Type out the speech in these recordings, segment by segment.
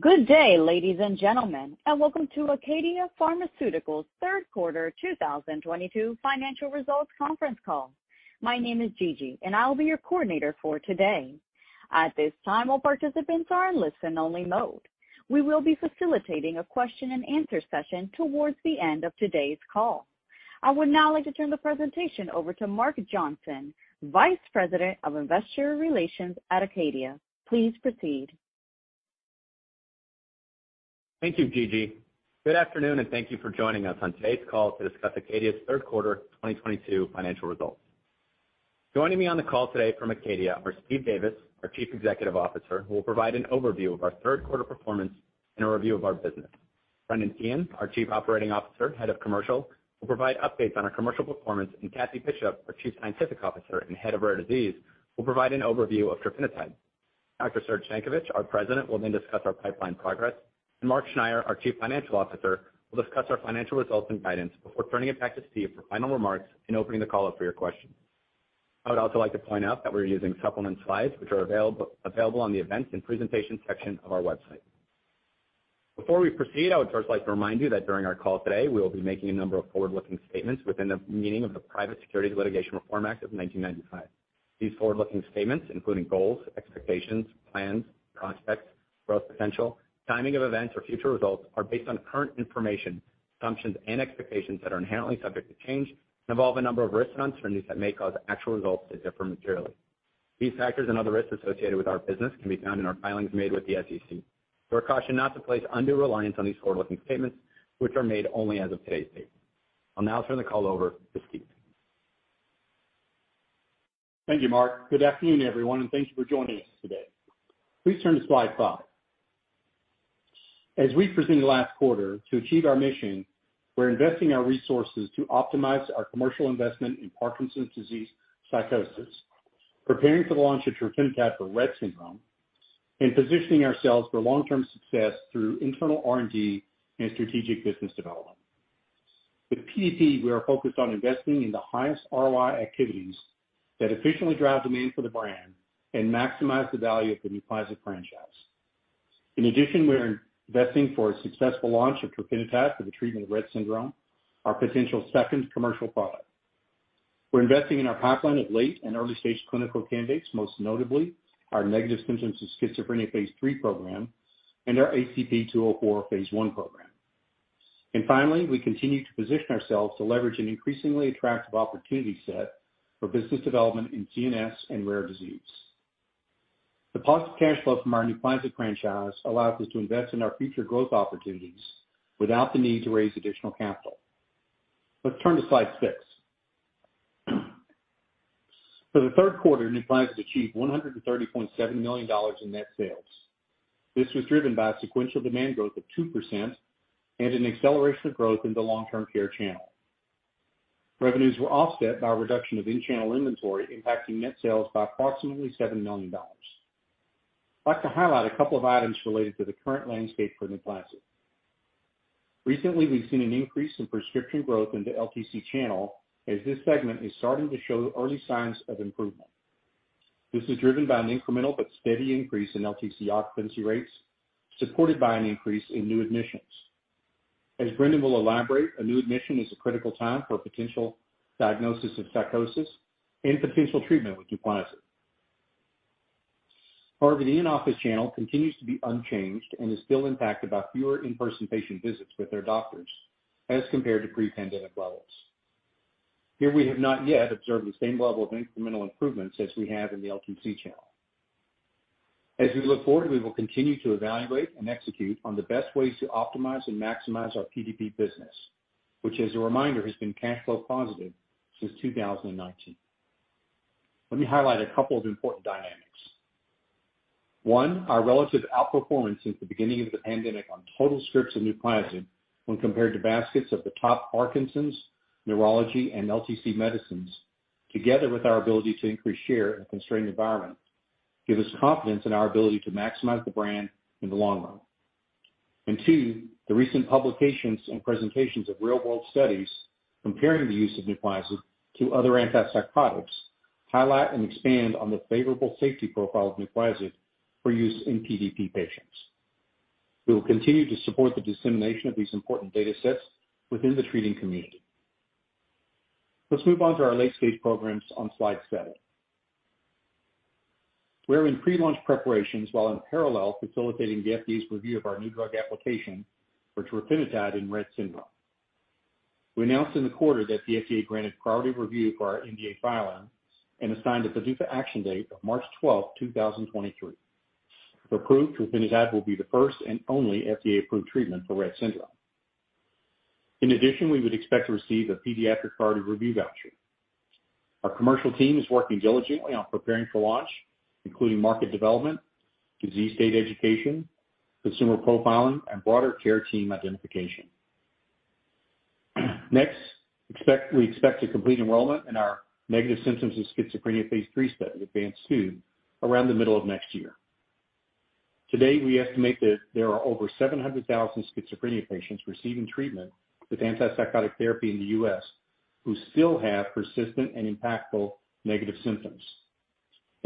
Good day, ladies and gentlemen, and welcome to Acadia Pharmaceuticals' third quarter 2022 financial results conference call. My name is Gigi, and I will be your coordinator for today. At this time, all participants are in listen only mode. We will be facilitating a question and answer session towards the end of today's call. I would now like to turn the presentation over to Mark Johnson, Vice President of Investor Relations at Acadia. Please proceed. Thank you, Gigi. Good afternoon, and thank you for joining us on today's call to discuss Acadia's third quarter 2022 financial results. Joining me on the call today from Acadia are Steve Davis, our Chief Executive Officer, who will provide an overview of our third quarter performance and a review of our business. Brendan Teehan, our Chief Operating Officer, Head of Commercial, will provide updates on our commercial performance. Kathie Bishop, our Chief Scientific Officer and Head of Rare Disease, will provide an overview of trofinetide. Dr. Serge Stankovic, our President, will then discuss our pipeline progress. Mark Schneyer, our Chief Financial Officer, will discuss our financial results and guidance before turning it back to Steve for final remarks and opening the call up for your questions. I would also like to point out that we're using supplement slides which are available on the events and presentation section of our website. Before we proceed, I would first like to remind you that during our call today, we will be making a number of forward-looking statements within the meaning of the Private Securities Litigation Reform Act of 1995. These forward-looking statements, including goals, expectations, plans, prospects, growth potential, timing of events, or future results, are based on current information, assumptions and expectations that are inherently subject to change and involve a number of risks and uncertainties that may cause actual results to differ materially. These factors and other risks associated with our business can be found in our filings made with the SEC. I caution not to place undue reliance on these forward-looking statements, which are made only as of today's date. I'll now turn the call over to Steve. Thank you, Mark. Good afternoon, everyone, and thank you for joining us today. Please turn to slide five. As we presented last quarter, to achieve our mission, we're investing our resources to optimize our commercial investment in Parkinson's disease psychosis, preparing for the launch of trofinetide for Rett syndrome, and positioning ourselves for long-term success through internal R&D and strategic business development. With PDP, we are focused on investing in the highest ROI activities that efficiently drive demand for the brand and maximize the value of the NUPLAZID franchise. In addition, we are investing for a successful launch of trofinetide for the treatment of Rett syndrome, our potential second commercial product. We're investing in our pipeline of late and early stage clinical candidates, most notably our negative symptoms of schizophrenia phase III program and our ACP-204 phase I program. Finally, we continue to position ourselves to leverage an increasingly attractive opportunity set for business development in CNS and rare disease. The positive cash flow from our NUPLAZID franchise allows us to invest in our future growth opportunities without the need to raise additional capital. Let's turn to slide six. For the third quarter, NUPLAZID achieved $130.7 million in net sales. This was driven by a sequential demand growth of 2% and an acceleration of growth in the long-term care channel. Revenues were offset by a reduction of in-channel inventory, impacting net sales by approximately $7 million. I'd like to highlight a couple of items related to the current landscape for NUPLAZID. Recently, we've seen an increase in prescription growth in the LTC channel as this segment is starting to show early signs of improvement. This is driven by an incremental but steady increase in LTC occupancy rates, supported by an increase in new admissions. As Brendan will elaborate, a new admission is a critical time for a potential diagnosis of psychosis and potential treatment with NUPLAZID. However, the in-office channel continues to be unchanged and is still impacted by fewer in-person patient visits with their doctors as compared to pre-pandemic levels. Here we have not yet observed the same level of incremental improvements as we have in the LTC channel. As we look forward, we will continue to evaluate and execute on the best ways to optimize and maximize our PDP business, which, as a reminder, has been cash flow positive since 2019. Let me highlight a couple of important dynamics. One, our relative outperformance since the beginning of the pandemic on total scripts of NUPLAZID when compared to baskets of the top Parkinson's, neurology, and LTC medicines, together with our ability to increase share in a constrained environment, give us confidence in our ability to maximize the brand in the long run. Two, the recent publications and presentations of real-world studies comparing the use of NUPLAZID to other antipsychotics highlight and expand on the favorable safety profile of NUPLAZID for use in PDP patients. We will continue to support the dissemination of these important data sets within the treating community. Let's move on to our late-stage programs on slide seven. We're in pre-launch preparations while in parallel facilitating the FDA's review of our new drug application for trofinetide in Rett syndrome. We announced in the quarter that the FDA granted priority review for our NDA filing and assigned a PDUFA action date of March 12, 2023. If approved, trofinetide will be the first and only FDA-approved treatment for Rett syndrome. In addition, we would expect to receive a pediatric priority review voucher. Our commercial team is working diligently on preparing for launch, including market development, disease state education, consumer profiling, and broader care team identification. We expect to complete enrollment in our negative symptoms of schizophrenia phase III study, ADVANCE-2, around the middle of next year. Today, we estimate that there are over 700,000 schizophrenia patients receiving treatment with antipsychotic therapy in the US who still have persistent and impactful negative symptoms.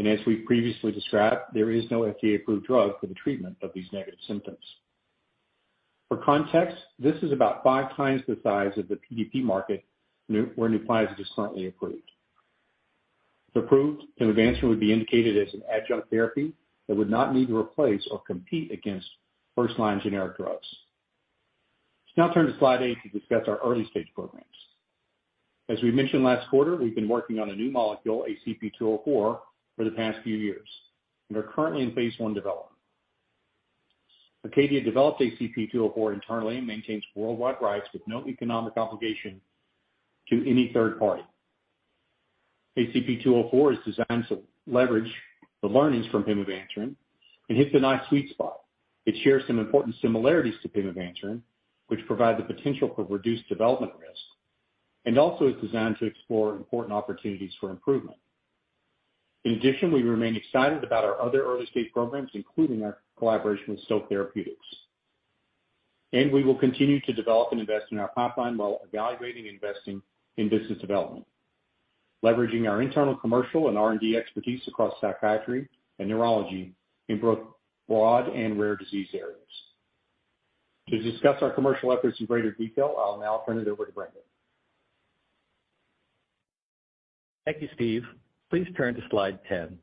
As we previously described, there is no FDA-approved drug for the treatment of these negative symptoms. For context, this is about five times the size of the PDP market where NUPLAZID is currently approved. If approved, pimavanserin would be indicated as an adjunct therapy that would not need to replace or compete against first line generic drugs. Let's now turn to slide eight to discuss our early-stage programs. As we mentioned last quarter, we've been working on a new molecule, ACP-204, for the past few years and are currently in phase I development. Acadia developed ACP-204 internally and maintains worldwide rights with no economic obligation to any third party. ACP-204 is designed to leverage the learnings from pimavanserin and hits a nice sweet spot. It shares some important similarities to pimavanserin, which provide the potential for reduced development risk and also is designed to explore important opportunities for improvement. In addition, we remain excited about our other early-stage programs, including our collaboration with Stoke Therapeutics. We will continue to develop and invest in our pipeline while evaluating investing in business development, leveraging our internal commercial and R&D expertise across psychiatry and neurology in both broad and rare disease areas. To discuss our commercial efforts in greater detail, I'll now turn it over to Brendan. Thank you, Steve. Please turn to slide 10.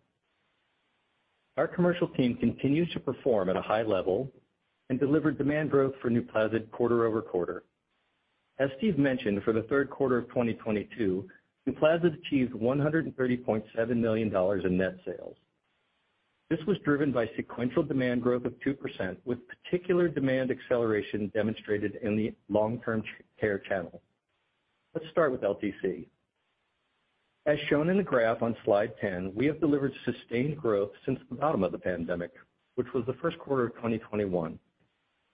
Our commercial team continues to perform at a high level and delivered demand growth for NUPLAZID quarter-over-quarter. As Steve mentioned, for the third quarter of 2022, NUPLAZID achieved $130.7 million in net sales. This was driven by sequential demand growth of 2%, with particular demand acceleration demonstrated in the long-term care channel. Let's start with LTC. As shown in the graph on slide 10, we have delivered sustained growth since the bottom of the pandemic, which was the first quarter of 2021.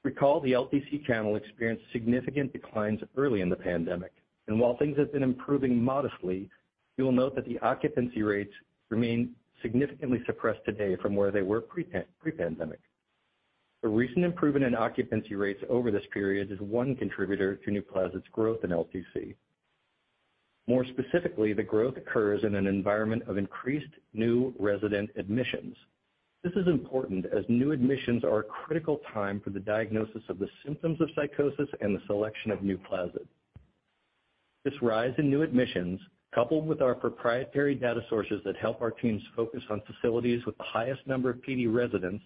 Recall, the LTC channel experienced significant declines early in the pandemic, and while things have been improving modestly, you will note that the occupancy rates remain significantly suppressed today from where they were pre-pandemic. The recent improvement in occupancy rates over this period is one contributor to NUPLAZID's growth in LTC. More specifically, the growth occurs in an environment of increased new resident admissions. This is important as new admissions are a critical time for the diagnosis of the symptoms of psychosis and the selection of NUPLAZID. This rise in new admissions, coupled with our proprietary data sources that help our teams focus on facilities with the highest number of PD residents,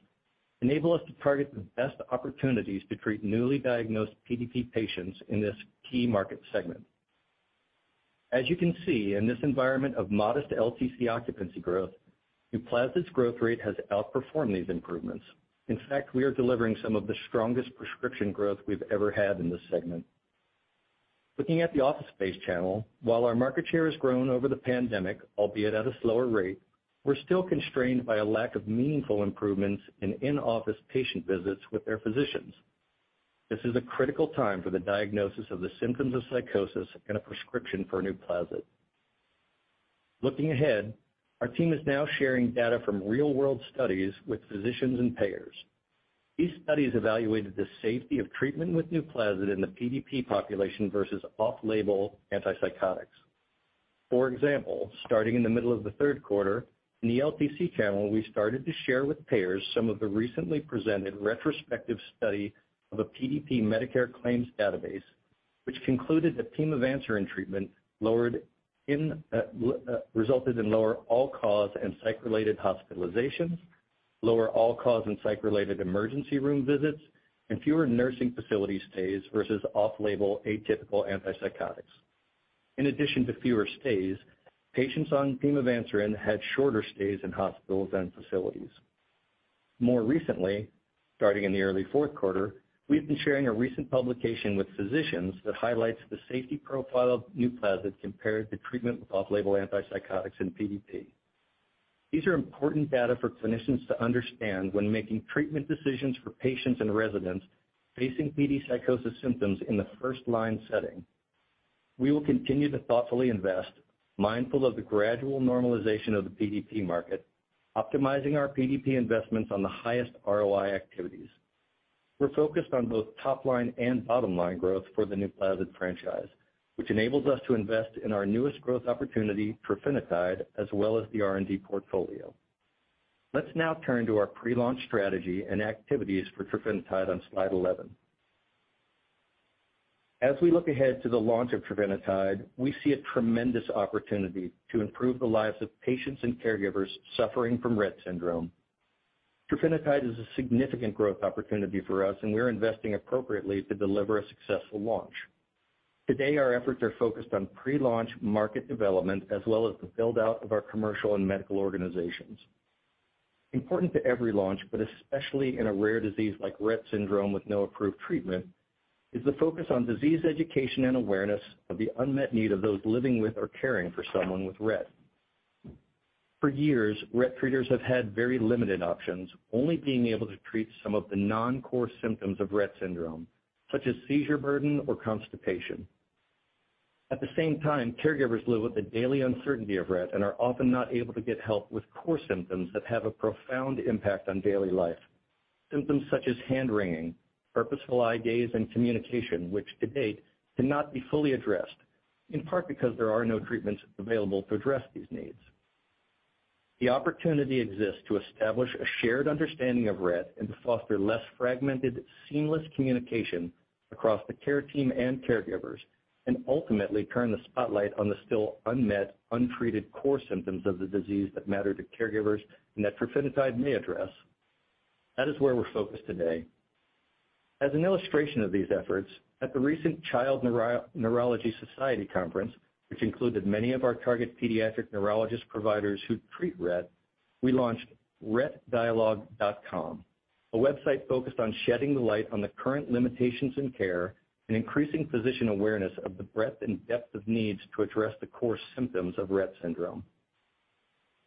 enable us to target the best opportunities to treat newly diagnosed PDP patients in this key market segment. As you can see, in this environment of modest LTC occupancy growth, NUPLAZID's growth rate has outperformed these improvements. In fact, we are delivering some of the strongest prescription growth we've ever had in this segment. Looking at the office-based channel, while our market share has grown over the pandemic, albeit at a slower rate, we're still constrained by a lack of meaningful improvements in in-office patient visits with their physicians. This is a critical time for the diagnosis of the symptoms of psychosis and a prescription for NUPLAZID. Looking ahead, our team is now sharing data from real-world studies with physicians and payers. These studies evaluated the safety of treatment with NUPLAZID in the PDP population versus off-label antipsychotics. For example, starting in the middle of the third quarter, in the LTC channel, we started to share with payers some of the recently presented retrospective study of a PDP Medicare claims database, which concluded that pimavanserin treatment resulted in lower all-cause and psych-related hospitalizations, lower all-cause and psych-related emergency room visits, and fewer nursing facility stays versus off-label atypical antipsychotics. In addition to fewer stays, patients on pimavanserin had shorter stays in hospitals and facilities. More recently, starting in the early fourth quarter, we've been sharing a recent publication with physicians that highlights the safety profile of NUPLAZID compared to treatment with off-label antipsychotics in PDP. These are important data for clinicians to understand when making treatment decisions for patients and residents facing PD psychosis symptoms in the first-line setting. We will continue to thoughtfully invest, mindful of the gradual normalization of the PDP market, optimizing our PDP investments on the highest ROI activities. We're focused on both top line and bottom line growth for the NUPLAZID franchise, which enables us to invest in our newest growth opportunity, trofinetide, as well as the R&D portfolio. Let's now turn to our pre-launch strategy and activities for trofinetide on slide 11. As we look ahead to the launch of trofinetide, we see a tremendous opportunity to improve the lives of patients and caregivers suffering from Rett syndrome. Trofinetide is a significant growth opportunity for us, and we are investing appropriately to deliver a successful launch. Today, our efforts are focused on pre-launch market development as well as the build-out of our commercial and medical organizations. Important to every launch, but especially in a rare disease like Rett syndrome with no approved treatment, is the focus on disease education and awareness of the unmet need of those living with or caring for someone with Rett. For years, Rett treaters have had very limited options, only being able to treat some of the non-core symptoms of Rett syndrome, such as seizure burden or constipation. At the same time, caregivers live with the daily uncertainty of Rett and are often not able to get help with core symptoms that have a profound impact on daily life. Symptoms such as hand-wringing, purposeful eye gaze and communication, which to date can not be fully addressed, in part because there are no treatments available to address these needs. The opportunity exists to establish a shared understanding of Rett and to foster less fragmented, seamless communication across the care team and caregivers, and ultimately turn the spotlight on the still unmet, untreated core symptoms of the disease that matter to caregivers and that trofinetide may address. That is where we're focused today. As an illustration of these efforts, at the recent Child Neurology Society conference, which included many of our target pediatric neurologist providers who treat Rett, we launched rettdialogue.com, a website focused on shedding light on the current limitations in care and increasing physician awareness of the breadth and depth of needs to address the core symptoms of Rett syndrome.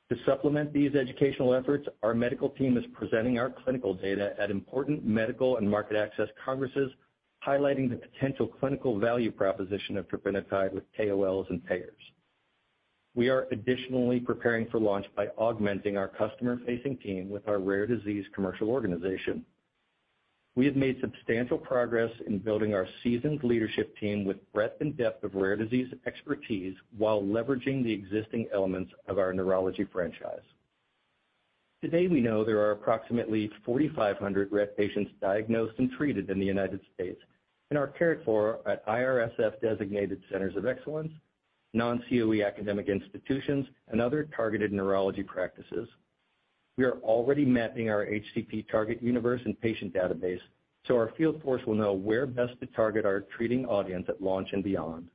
To supplement these educational efforts, our medical team is presenting our clinical data at important medical and market access congresses, highlighting the potential clinical value proposition of trofinetide with KOLs and payers. We are additionally preparing for launch by augmenting our customer-facing team with our rare disease commercial organization. We have made substantial progress in building our seasoned leadership team with breadth and depth of rare disease expertise while leveraging the existing elements of our neurology franchise. Today, we know there are approximately 4,500 Rett patients diagnosed and treated in the United States and are cared for at IRSF-designated centers of excellence, non-COE academic institutions, and other targeted neurology practices. We are already mapping our HCP target universe and patient database, so our field force will know where best to target our treating audience at launch and beyond.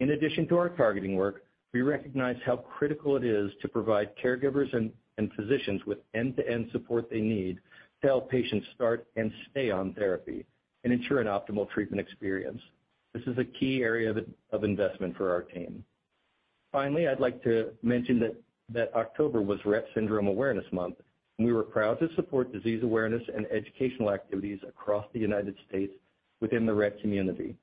In addition to our targeting work, we recognize how critical it is to provide caregivers and physicians with end-to-end support they need to help patients start and stay on therapy and ensure an optimal treatment experience. This is a key area of investment for our team. Finally, I'd like to mention that October was Rett syndrome Awareness Month, and we were proud to support disease awareness and educational activities across the United States within the Rett community.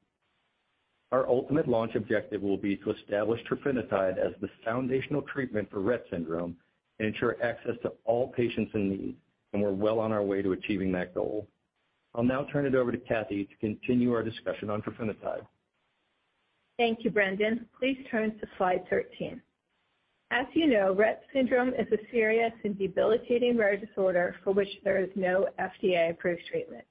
Our ultimate launch objective will be to establish trofinetide as the foundational treatment for Rett syndrome and ensure access to all patients in need, and we're well on our way to achieving that goal. I'll now turn it over to Kathie to continue our discussion on trofinetide. Thank you, Brendan. Please turn to slide 13. As you know, Rett syndrome is a serious and debilitating rare disorder for which there is no FDA-approved treatment.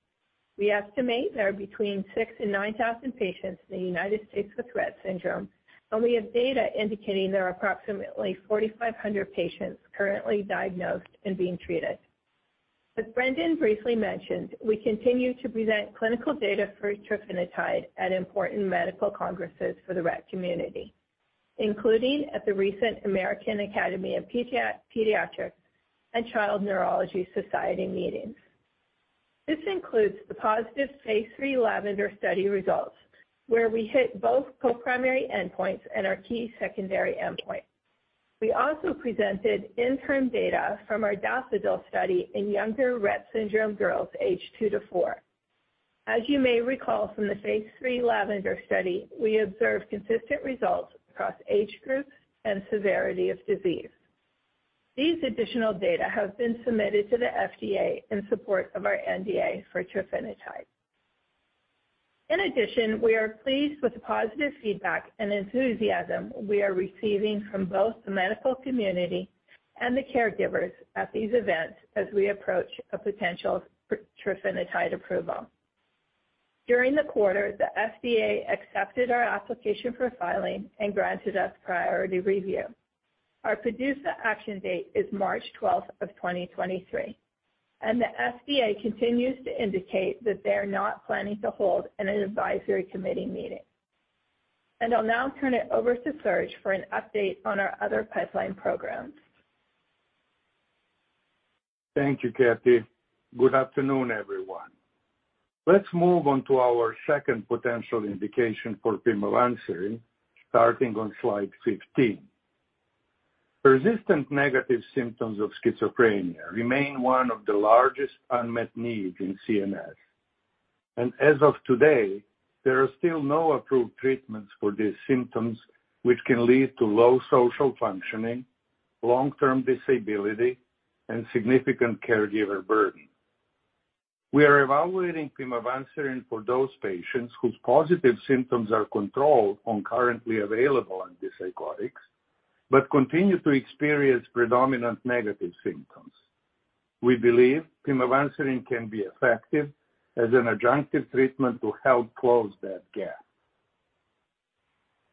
We estimate there are between 6,000 and 9,000 patients in the United States with Rett syndrome, and we have data indicating there are approximately 4,500 patients currently diagnosed and being treated. As Brendan briefly mentioned, we continue to present clinical data for trofinetide at important medical congresses for the Rett community, including at the recent American Academy of Pediatrics and Child Neurology Society meetings. This includes the positive phase III LAVENDER study results, where we hit both co-primary endpoints and our key secondary endpoint. We also presented interim data from our DAFFODIL study in younger Rett syndrome girls aged 2 to 4. As you may recall from the phase III LAVENDER study, we observed consistent results across age groups and severity of disease. These additional data have been submitted to the FDA in support of our NDA for trofinetide. In addition, we are pleased with the positive feedback and enthusiasm we are receiving from both the medical community and the caregivers at these events as we approach a potential trofinetide approval. During the quarter, the FDA accepted our application for filing and granted us priority review. Our PDUFA action date is March 12, 2023, and the FDA continues to indicate that they are not planning to hold an advisory committee meeting. I'll now turn it over to Serge for an update on our other pipeline programs. Thank you, Kathie. Good afternoon, everyone. Let's move on to our second potential indication for pimavanserin, starting on slide 15. Resistant negative symptoms of schizophrenia remain one of the largest unmet need in CNS. As of today, there are still no approved treatments for these symptoms, which can lead to low social functioning, long-term disability, and significant caregiver burden. We are evaluating pimavanserin for those patients whose positive symptoms are controlled on currently available antipsychotics, but continue to experience predominant negative symptoms. We believe pimavanserin can be effective as an adjunctive treatment to help close that gap.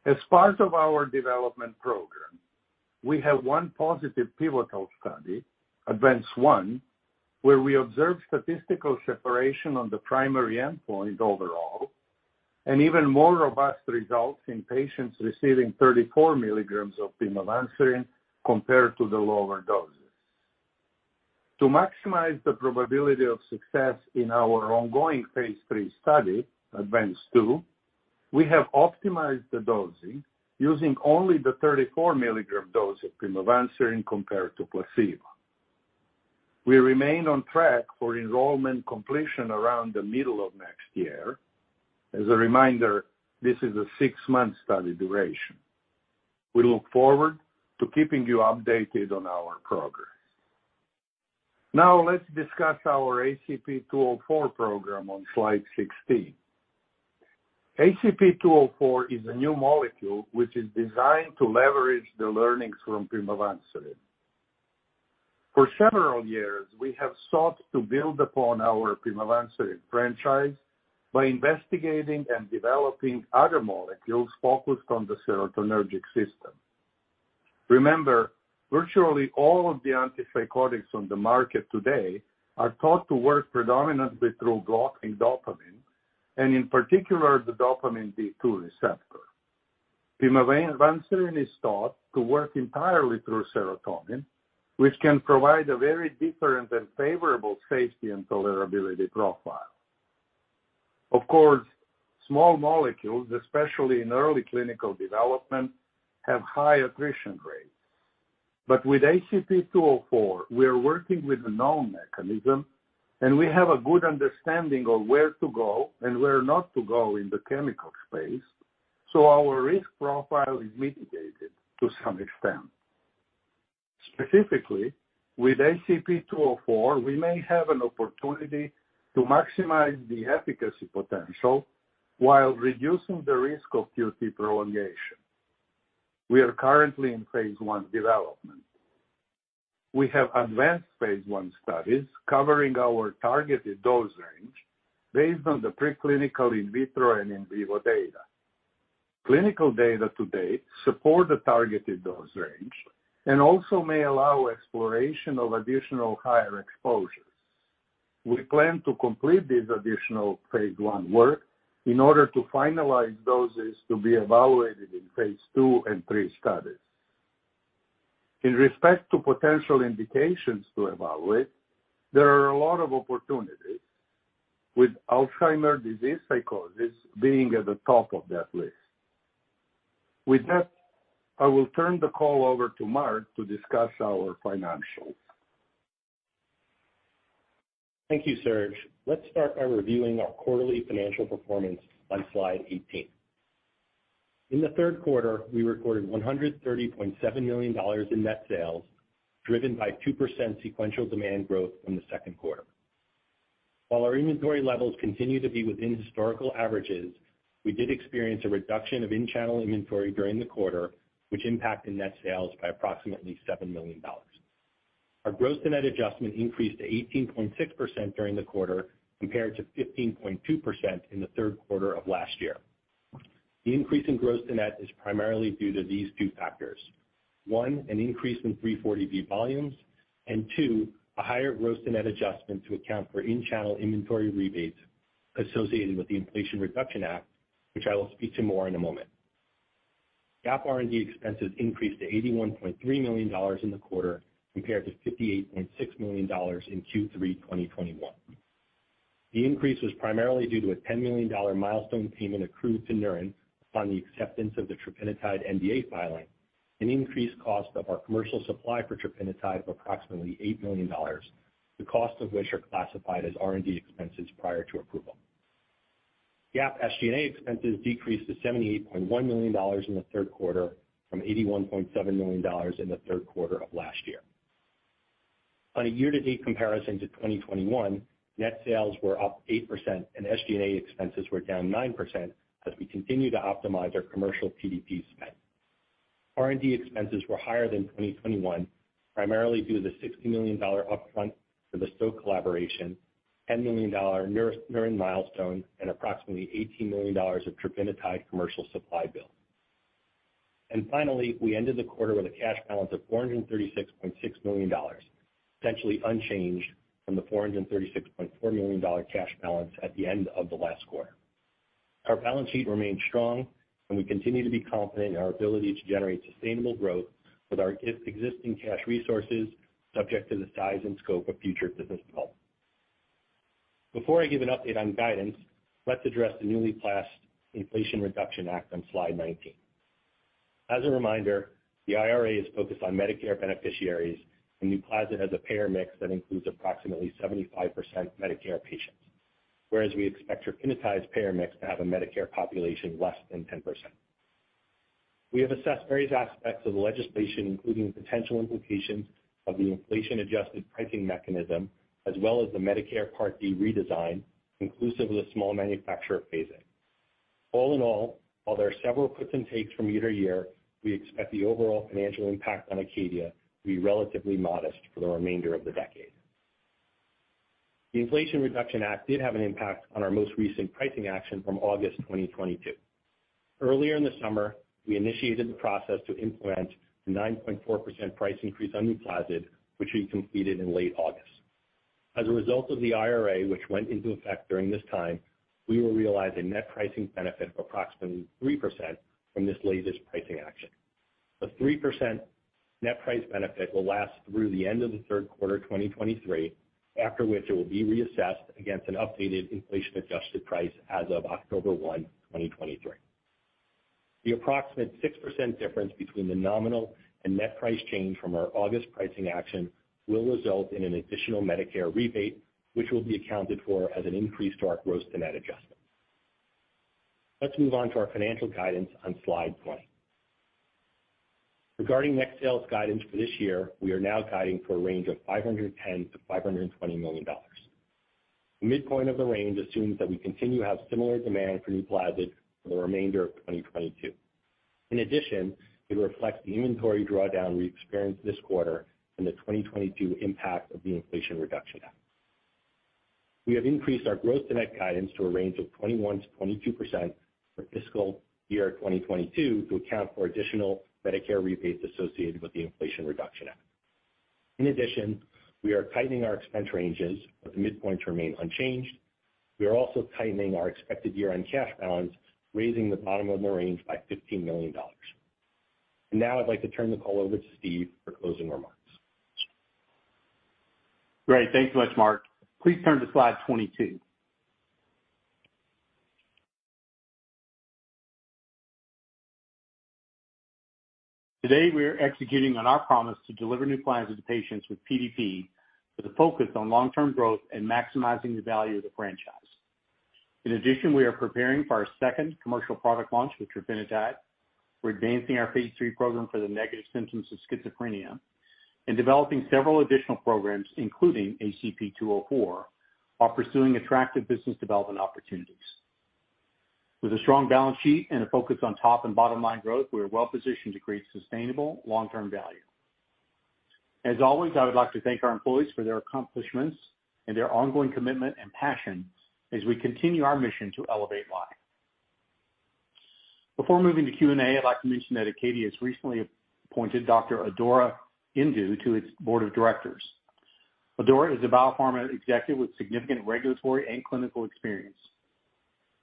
As part of our development program, we have one positive pivotal study, ADVANCE-1, where we observed statistical separation on the primary endpoint overall and even more robust results in patients receiving 34 milligrams of pimavanserin compared to the lower doses. To maximize the probability of success in our ongoing phase III study, ADVANCE-2, we have optimized the dosing using only the 34 mg dose of pimavanserin compared to placebo. We remain on track for enrollment completion around the middle of next year. As a reminder, this is a 6-month study duration. We look forward to keeping you updated on our progress. Now let's discuss our ACP-204 program on slide 16. ACP-204 is a new molecule which is designed to leverage the learnings from pimavanserin. For several years, we have sought to build upon our pimavanserin franchise by investigating and developing other molecules focused on the serotonergic system. Remember, virtually all of the antipsychotics on the market today are thought to work predominantly through blocking dopamine and in particular the dopamine D2 receptor. Pimavanserin is thought to work entirely through serotonin, which can provide a very different and favorable safety and tolerability profile. Of course, small molecules, especially in early clinical development, have high attrition rates. With ACP-204, we are working with a known mechanism, and we have a good understanding of where to go and where not to go in the chemical space, so our risk profile is mitigated to some extent. Specifically, with ACP-204, we may have an opportunity to maximize the efficacy potential while reducing the risk of QT prolongation. We are currently in phase I development. We have advanced phase I studies covering our targeted dose range based on the preclinical in vitro and in vivo data. Clinical data to date support the targeted dose range and also may allow exploration of additional higher exposures. We plan to complete this additional phase I work in order to finalize doses to be evaluated in phase II and III studies. With respect to potential indications to evaluate, there are a lot of opportunities, with Alzheimer's disease psychosis being at the top of that list. With that, I will turn the call over to Mark to discuss our financials. Thank you, Serge. Let's start by reviewing our quarterly financial performance on slide 18. In the third quarter, we recorded $130.7 million in net sales, driven by 2% sequential demand growth from the second quarter. While our inventory levels continue to be within historical averages, we did experience a reduction of in-channel inventory during the quarter, which impacted net sales by approximately $7 million. Our gross to net adjustment increased to 18.6% during the quarter, compared to 15.2% in the third quarter of last year. The increase in gross to net is primarily due to these two factors. One, an increase in 340B volumes and two, a higher gross to net adjustment to account for in-channel inventory rebates associated with the Inflation Reduction Act, which I will speak to more in a moment. GAAP R&D expenses increased to $81.3 million in the quarter compared to $58.6 million in Q3 2021. The increase was primarily due to a $10 million milestone payment accrued to Neuren upon the acceptance of the trofinetide NDA filing, an increased cost of our commercial supply for trofinetide of approximately $8 million, the cost of which are classified as R&D expenses prior to approval. GAAP SG&A expenses decreased to $78.1 million in the third quarter from $81.7 million in the third quarter of last year. On a year-to-date comparison to 2021, net sales were up 8% and SG&A expenses were down 9% as we continue to optimize our commercial PDP spend. R&D expenses were higher than 2021, primarily due to the $60 million upfront for the Stoke collaboration, $10 million Neuren milestone, and approximately $18 million of trofinetide commercial supply bill. Finally, we ended the quarter with a cash balance of $436.6 million, essentially unchanged from the $436.4 million cash balance at the end of the last quarter. Our balance sheet remains strong, and we continue to be confident in our ability to generate sustainable growth with our existing cash resources, subject to the size and scope of future business development. Before I give an update on guidance, let's address the newly passed Inflation Reduction Act on slide 19. As a reminder, the IRA is focused on Medicare beneficiaries, and NUPLAZID has a payer mix that includes approximately 75% Medicare patients, whereas we expect trofinetide's payer mix to have a Medicare population less than 10%. We have assessed various aspects of the legislation, including potential implications of the inflation-adjusted pricing mechanism, as well as the Medicare Part D redesign, inclusive of the small manufacturer phase-in. All in all, while there are several puts and takes from year to year, we expect the overall financial impact on Acadia to be relatively modest for the remainder of the decade. The Inflation Reduction Act did have an impact on our most recent pricing action from August 2022. Earlier in the summer, we initiated the process to implement the 9.4% price increase on NUPLAZID, which we completed in late August. As a result of the IRA, which went into effect during this time, we will realize a net pricing benefit of approximately 3% from this latest pricing action. The 3% net price benefit will last through the end of the third quarter 2023, after which it will be reassessed against an updated inflation-adjusted price as of October 1, 2023. The approximate 6% difference between the nominal and net price change from our August pricing action will result in an additional Medicare rebate, which will be accounted for as an increase to our gross to net adjustment. Let's move on to our financial guidance on slide 20. Regarding net sales guidance for this year, we are now guiding for a range of $510 million-$520 million. The midpoint of the range assumes that we continue to have similar demand for NUPLAZID for the remainder of 2022. In addition, it reflects the inventory drawdown we experienced this quarter and the 2022 impact of the Inflation Reduction Act. We have increased our growth to net guidance to a range of 21%-22% for fiscal year 2022 to account for additional Medicare rebates associated with the Inflation Reduction Act. In addition, we are tightening our expense ranges, but the midpoints remain unchanged. We are also tightening our expected year-end cash balance, raising the bottom of the range by $15 million. Now I'd like to turn the call over to Steve for closing remarks. Great. Thanks so much, Mark. Please turn to slide 22. Today, we are executing on our promise to deliver NUPLAZID to patients with PDP, with a focus on long-term growth and maximizing the value of the franchise. In addition, we are preparing for our second commercial product launch with trofinetide. We're advancing our phase III program for the negative symptoms of schizophrenia and developing several additional programs, including ACP-204, while pursuing attractive business development opportunities. With a strong balance sheet and a focus on top and bottom line growth, we are well-positioned to create sustainable long-term value. As always, I would like to thank our employees for their accomplishments and their ongoing commitment and passion as we continue our mission to elevate life. Before moving to Q&A, I'd like to mention that Acadia has recently appointed Dr. Adora Ndu to its Board of Directors. Adora is a biopharma executive with significant regulatory and clinical experience.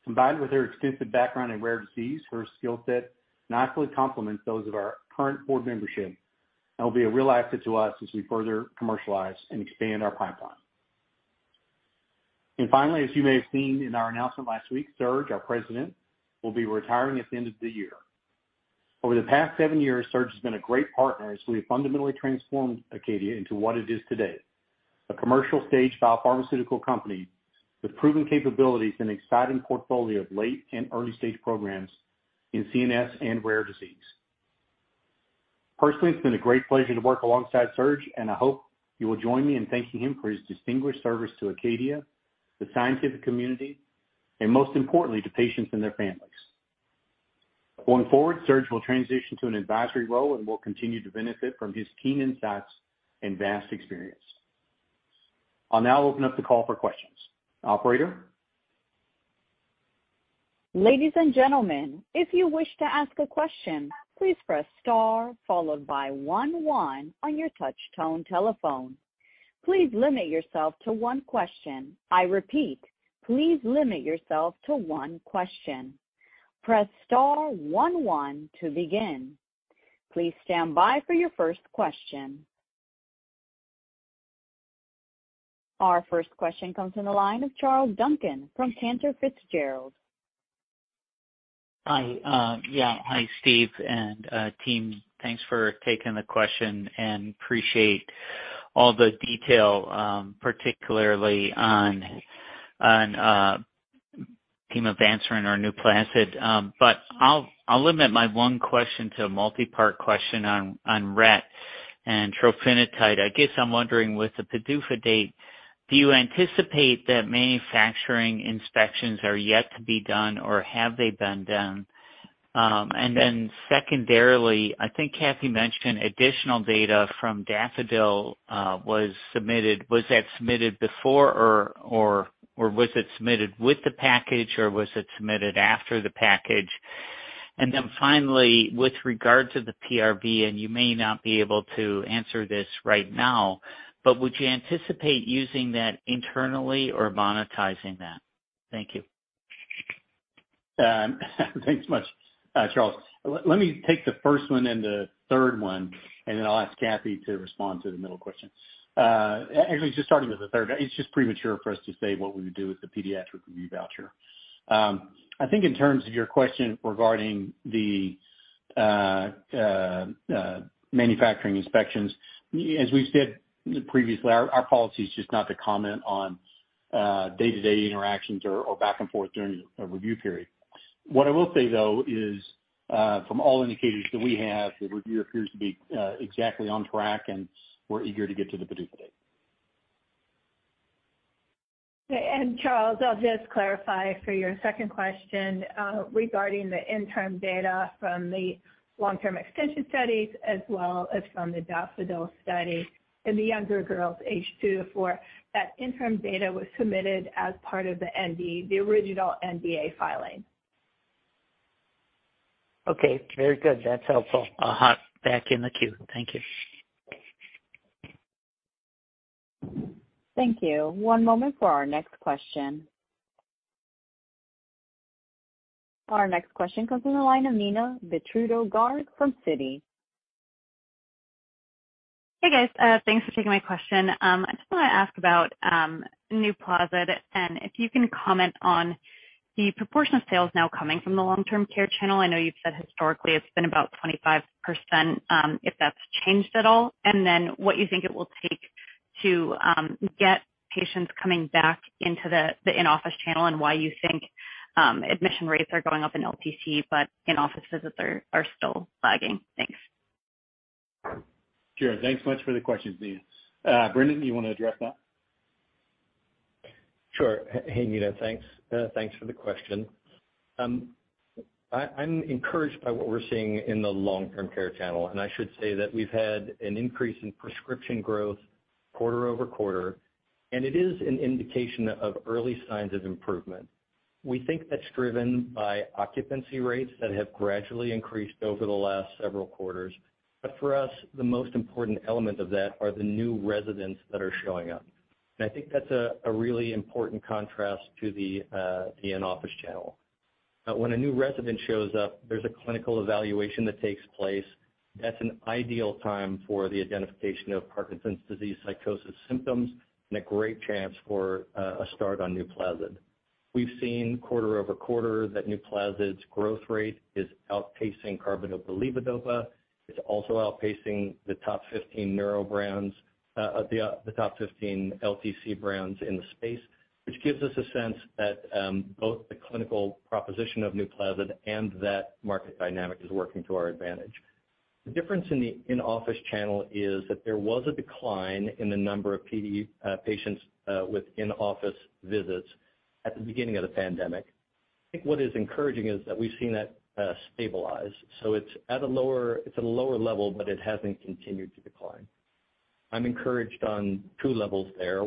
Combined with her extensive background in rare disease, her skill set nicely complements those of our current board membership and will be a real asset to us as we further commercialize and expand our pipeline. Finally, as you may have seen in our announcement last week, Serge, our president, will be retiring at the end of the year. Over the past 7 years, Serge has been a great partner as we have fundamentally transformed Acadia into what it is today, a commercial-stage biopharmaceutical company with proven capabilities and exciting portfolio of late and early stage programs in CNS and rare disease. Personally, it's been a great pleasure to work alongside Serge, and I hope you will join me in thanking him for his distinguished service to Acadia, the scientific community, and most importantly, to patients and their families. Going forward, Serge will transition to an advisory role and will continue to benefit from his keen insights and vast experience. I'll now open up the call for questions. Operator? Ladies and gentlemen, if you wish to ask a question, please press star followed by one on your touch tone telephone. Please limit yourself to one question. I repeat, please limit yourself to one question. Press star one one to begin. Please stand by for your first question. Our first question comes from the line of Charles Duncan from Cantor Fitzgerald. Hi. Hi, Steve and team. Thanks for taking the question and appreciate all the detail, particularly on the ADVANCE in our NUPLAZID. But I'll limit my one question to a multi-part question on Rett and trofinetide. I guess I'm wondering, with the PDUFA date, do you anticipate that manufacturing inspections are yet to be done or have they been done? And then secondarily, I think Kathie mentioned additional data from DAFFODIL was submitted. Was that submitted before or was it submitted with the package or was it submitted after the package? And then finally, with regard to the PRV, and you may not be able to answer this right now, but would you anticipate using that internally or monetizing that? Thank you. Thanks so much, Charles. Let me take the first one and the third one, and then I'll ask Kathie to respond to the middle question. Actually just starting with the third, it's just premature for us to say what we would do with the pediatric review voucher. I think in terms of your question regarding the manufacturing inspections, as we've said previously, our policy is just not to comment on day-to-day interactions or back and forth during a review period. What I will say though is, from all indicators that we have, the review appears to be exactly on track and we're eager to get to the PDUFA date. Charles, I'll just clarify for your second question, regarding the interim data from the long-term extension studies as well as from the DAFFODIL study in the younger girls aged 2-4, that interim data was submitted as part of the original NDA filing. Okay, very good. That's helpful. I'll hop back in the queue. Thank you. Thank you. One moment for our next question. Our next question comes from the line of Neena Bitritto-Garg from Citi. Hey, guys. Thanks for taking my question. I just wanna ask about NUPLAZID and if you can comment on the proportion of sales now coming from the long-term care channel. I know you've said historically it's been about 25%, if that's changed at all. What you think it will take- To get patients coming back into the in-office channel and why you think admission rates are going up in LTC, but in-office visits are still lagging? Thanks. Sure. Thanks so much for the question, Neena. Brendan, you want to address that? Sure. Hey, Neena. Thanks for the question. I'm encouraged by what we're seeing in the long-term care channel, and I should say that we've had an increase in prescription growth quarter-over-quarter, and it is an indication of early signs of improvement. We think that's driven by occupancy rates that have gradually increased over the last several quarters. For us, the most important element of that are the new residents that are showing up. I think that's a really important contrast to the in-office channel. When a new resident shows up, there's a clinical evaluation that takes place. That's an ideal time for the identification of Parkinson's disease psychosis symptoms, and a great chance for a start on NUPLAZID. We've seen quarter-over-quarter that NUPLAZID's growth rate is outpacing carbidopa/levodopa. It's also outpacing the top 15 neuro brands, the top 15 LTC brands in the space, which gives us a sense that both the clinical proposition of NUPLAZID and that market dynamic is working to our advantage. The difference in the in-office channel is that there was a decline in the number of PD patients with in-office visits at the beginning of the pandemic. I think what is encouraging is that we've seen that stabilize. It's at a lower level, but it hasn't continued to decline. I'm encouraged on two levels there.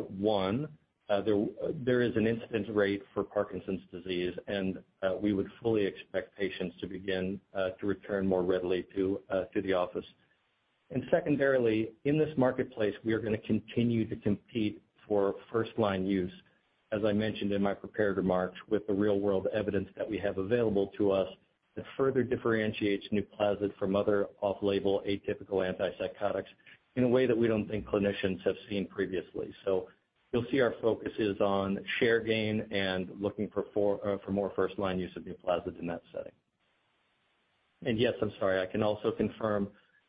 One, there is an incidence rate for Parkinson's disease, and we would fully expect patients to begin to return more readily to the office. Secondarily, in this marketplace, we are gonna continue to compete for first-line use, as I mentioned in my prepared remarks, with the real-world evidence that we have available to us that further differentiates NUPLAZID from other off-label atypical antipsychotics in a way that we don't think clinicians have seen previously. You'll see our focus is on share gain and looking for more first-line use of NUPLAZID in that setting. Yes, I'm sorry. I can also confirm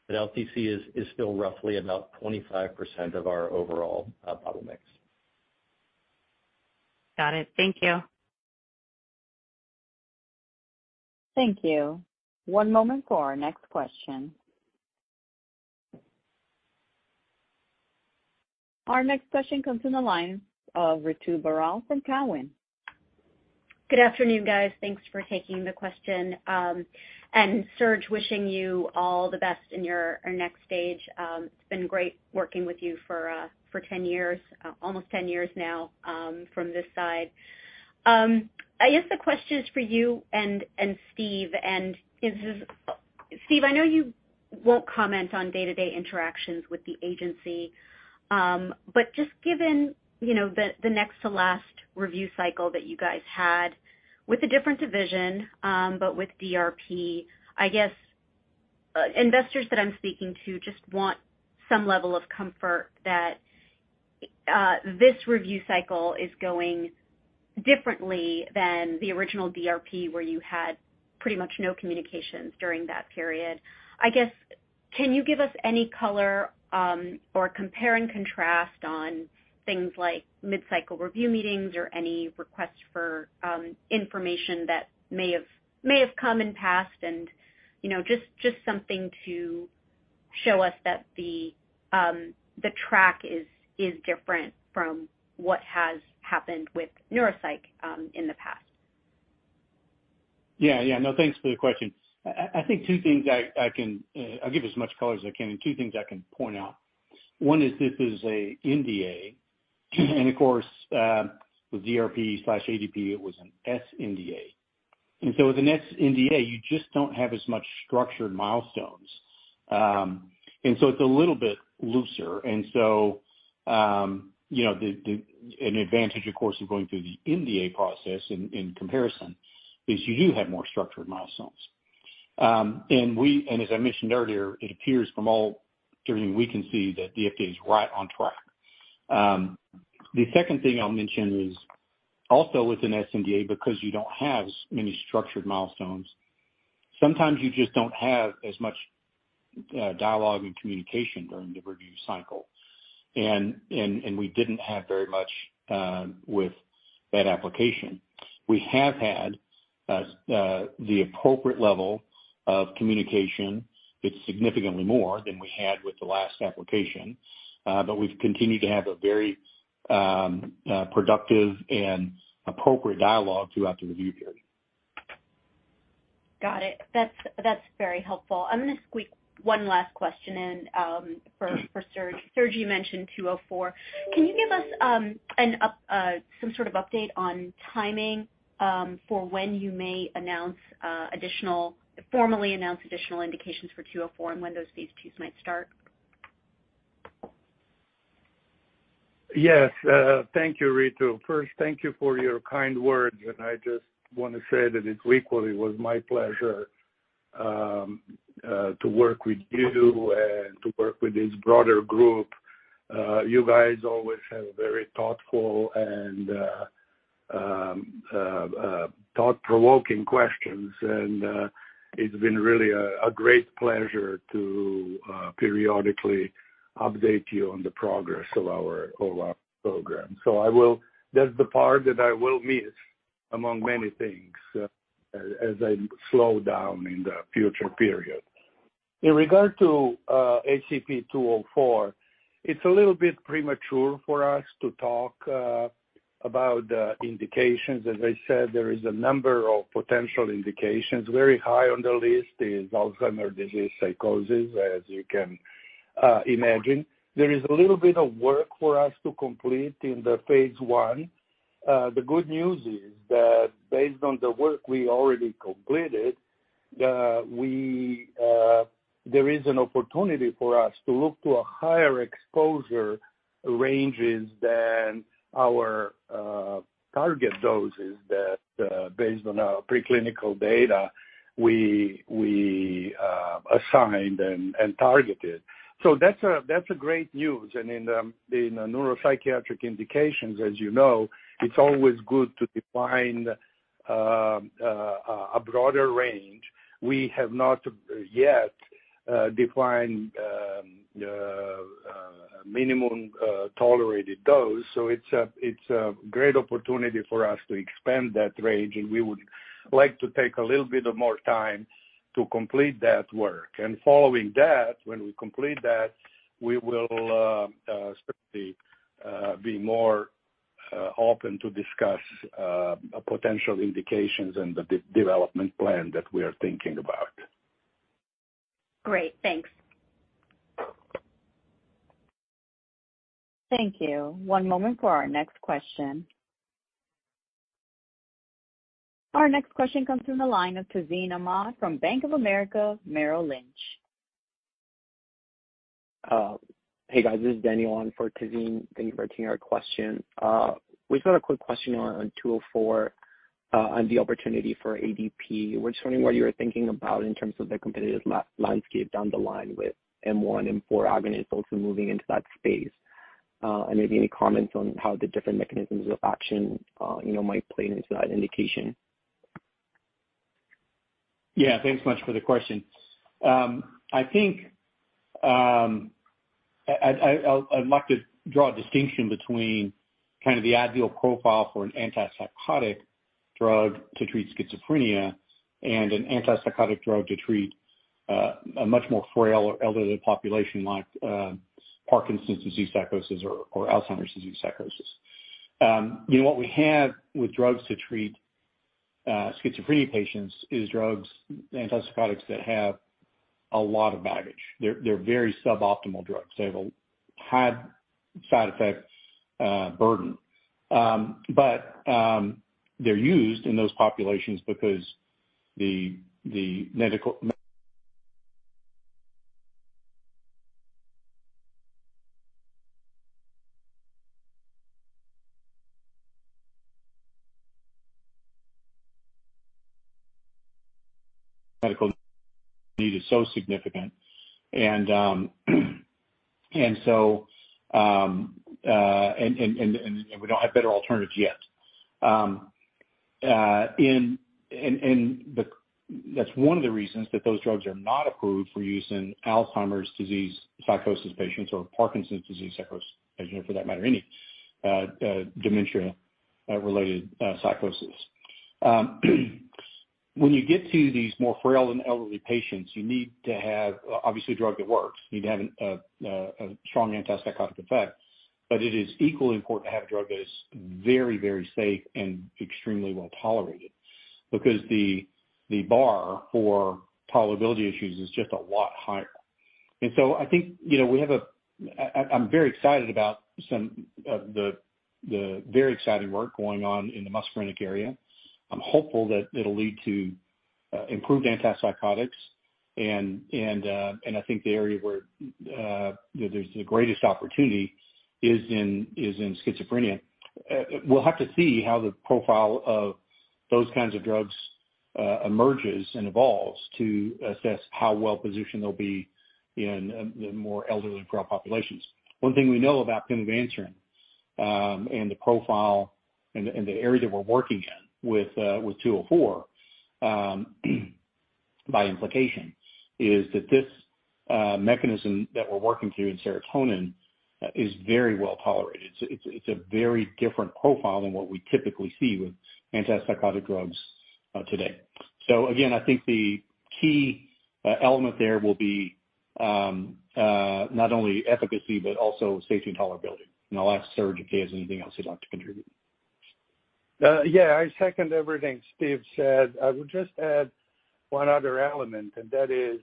that LTC is still roughly about 25% of our overall bottle mix. Got it. Thank you. Thank you. One moment for our next question. Our next question comes from the line of Ritu Baral from Cowen. Good afternoon, guys. Thanks for taking the question. Serge, wishing you all the best in your next stage. It's been great working with you for 10 years, almost 10 years now, from this side. I guess the question is for you and Steve, and is this. Steve, I know you won't comment on day-to-day interactions with the agency, but just given, you know, the next to last review cycle that you guys had with a different division, but with DRP, I guess investors that I'm speaking to just want some level of comfort that this review cycle is going differently than the original DRP, where you had pretty much no communications during that period. I guess, can you give us any color, or compare and contrast on things like mid-cycle review meetings or any requests for, information that may have come in past? You know, just something to show us that the track is different from what has happened with neuropsych, in the past. Yeah. Yeah. No, thanks for the question. I think two things. I'll give as much color as I can, and two things I can point out. One is this is an NDA and, of course, with DRP/ADP, it was an sNDA. With an sNDA, you just don't have as much structured milestones. It's a little bit looser. You know, an advantage, of course, of going through the NDA process in comparison is you do have more structured milestones. As I mentioned earlier, it appears from everything we can see that the FDA is right on track. The second thing I'll mention is also with an sNDA, because you don't have so many structured milestones, sometimes you just don't have as much dialogue and communication during the review cycle. We didn't have very much with that application. We have had the appropriate level of communication. It's significantly more than we had with the last application, but we've continued to have a very productive and appropriate dialogue throughout the review period. Got it. That's very helpful. I'm gonna squeak one last question in for Serge. Serge, you mentioned 204. Can you give us some sort of update on timing for when you may formally announce additional indications for 204 and when those phase IIs might start? Yes. Thank you, Ritu. First, thank you for your kind words, and I just wanna say that it equally was my pleasure to work with you and to work with this broader group. You guys always have very thoughtful and Thought-provoking questions. It's been really a great pleasure to periodically update you on the progress of our program. I will. That's the part that I will miss among many things as I slow down in the future period. In regard to ACP-204, it's a little bit premature for us to talk about the indications. As I said, there is a number of potential indications. Very high on the list is Alzheimer's disease psychosis, as you can imagine. There is a little bit of work for us to complete in the phase I. The good news is that based on the work we already completed, there is an opportunity for us to look to a higher exposure ranges than our target doses that based on our pre-clinical data, we assigned and targeted. That's a great news. In the neuropsychiatric indications, as you know, it's always good to define a broader range. We have not yet defined minimum tolerated dose. It's a great opportunity for us to expand that range, and we would like to take a little bit more time to complete that work. Following that, when we complete that, we will certainly be more open to discuss potential indications and the development plan that we are thinking about. Great. Thanks. Thank you. One moment for our next question. Our next question comes from the line of Tazeen Ahmad from Bank of America Merrill Lynch. Hey, guys. This is Daniel on for Tazeen. Thank you for taking our question. We just got a quick question on 204, on the opportunity for ADP. We're just wondering what you were thinking about in terms of the competitive landscape down the line with M1 and M4 agonists also moving into that space. Maybe any comments on how the different mechanisms of action, you know, might play into that indication. Yeah. Thanks much for the question. I think I'd like to draw a distinction between kind of the ideal profile for an antipsychotic drug to treat schizophrenia and an antipsychotic drug to treat a much more frail or elderly population like Parkinson's disease psychosis or Alzheimer's disease psychosis. You know, what we have with drugs to treat schizophrenia patients is drugs, antipsychotics that have a lot of baggage. They're very suboptimal drugs. They have a high side effects burden. But they're used in those populations because the medical need is so significant and we don't have better alternatives yet. That's one of the reasons that those drugs are not approved for use in Alzheimer's disease psychosis patients or Parkinson's disease psychosis patients, for that matter, any dementia-related psychosis. When you get to these more frail and elderly patients, you need to have obviously a drug that works. You need to have a strong antipsychotic effect. But it is equally important to have a drug that is very, very safe and extremely well tolerated, because the bar for tolerability issues is just a lot higher. I think, you know, I'm very excited about some of the very exciting work going on in the muscarinic area. I'm hopeful that it'll lead to improved antipsychotics. I think the area where you know there's the greatest opportunity is in schizophrenia. We'll have to see how the profile of those kinds of drugs emerges and evolves to assess how well positioned they'll be in the more elderly and frail populations. One thing we know about pimavanserin and the profile and the area that we're working in with ACP-204, by implication, is that this mechanism that we're working through in serotonin is very well tolerated. It's a very different profile than what we typically see with antipsychotic drugs today. Again, I think the key element there will be not only efficacy, but also safety and tolerability. I'll ask Serge if he has anything else he'd like to contribute. Yeah, I second everything Steve said. I would just add one other element, and that is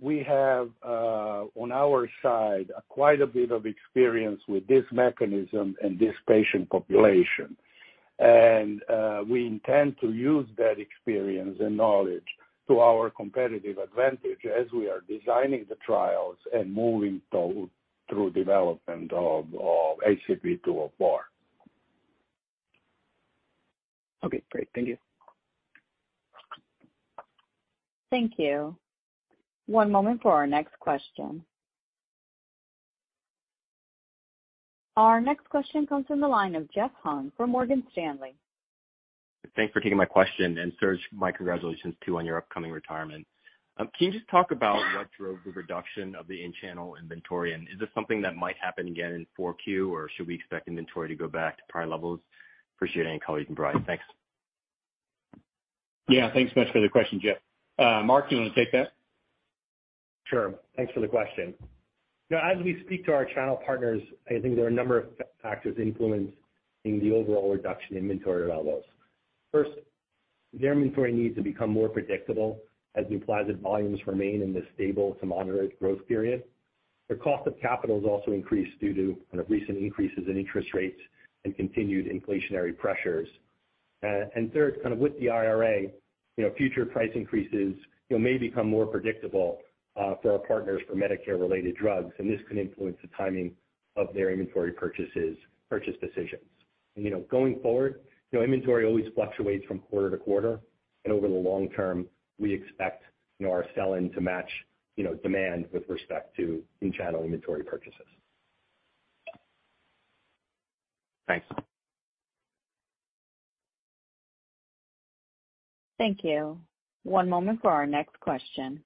we have, on our side, quite a bit of experience with this mechanism and this patient population. We intend to use that experience and knowledge to our competitive advantage as we are designing the trials and moving through development of ACP-204. Okay, great. Thank you. Thank you. One moment for our next question. Our next question comes from the line of Jeff Hung from Morgan Stanley. Thanks for taking my question, and Serge, my congratulations too on your upcoming retirement. Can you just talk about what drove the reduction of the in-channel inventory? Is this something that might happen again in Q4 or should we expect inventory to go back to prior levels? Appreciate any color you can provide. Thanks. Yeah. Thanks much for the question, Jeff. Mark, do you want to take that? Sure. Thanks for the question. You know, as we speak to our channel partners, I think there are a number of factors influencing the overall reduction in inventory levels. First, their inventory needs to become more predictable as NUPLAZID volumes remain in this stable to moderate growth period. The cost of capital has also increased due to recent increases in interest rates and continued inflationary pressures. And third, kind of with the IRA, you know, future price increases, you know, may become more predictable, for our partners for Medicare-related drugs, and this can influence the timing of their inventory purchases, purchase decisions. You know, going forward, you know, inventory always fluctuates from quarter to quarter, and over the long term, we expect, you know, our sell-in to match, you know, demand with respect to in-channel inventory purchases. Thanks. Thank you. One moment for our next question.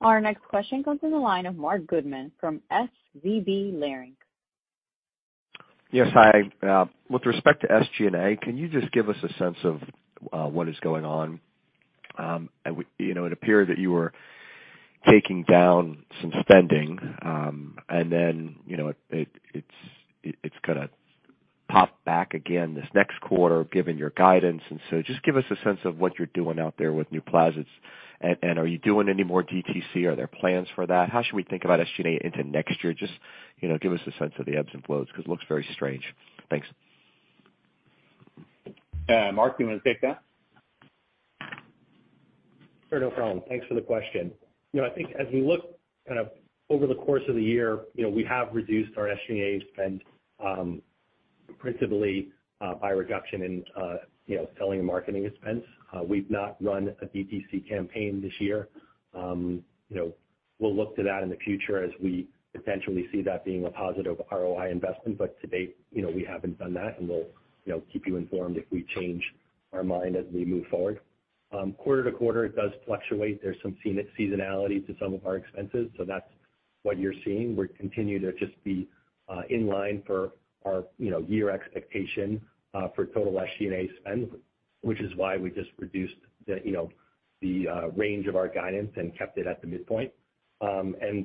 Our next question comes on the line of Marc Goodman from SVB Leerink. Yes. Hi. With respect to SG&A, can you just give us a sense of what is going on? You know, it appeared that you were taking down some spending, and then, you know, it's gonna pop back again this next quarter given your guidance. Just give us a sense of what you're doing out there with new launches. Are you doing any more DTC? Are there plans for that? How should we think about SG&A into next year? Just, you know, give us a sense of the ebbs and flows because it looks very strange. Thanks. Mark, do you want to take that? Sure, no problem. Thanks for the question. You know, I think as we look kind of over the course of the year, you know, we have reduced our SG&A spend, principally, by reduction in, you know, selling and marketing expense. We've not run a DTC campaign this year. You know, we'll look to that in the future as we potentially see that being a positive ROI investment. But to date, you know, we haven't done that, and we'll, you know, keep you informed if we change our mind as we move forward. Quarter to quarter it does fluctuate. There's some seasonality to some of our expenses, so that's what you're seeing. We continue to just be in line for our you know year expectation for total SG&A spend, which is why we just reduced you know the range of our guidance and kept it at the midpoint. For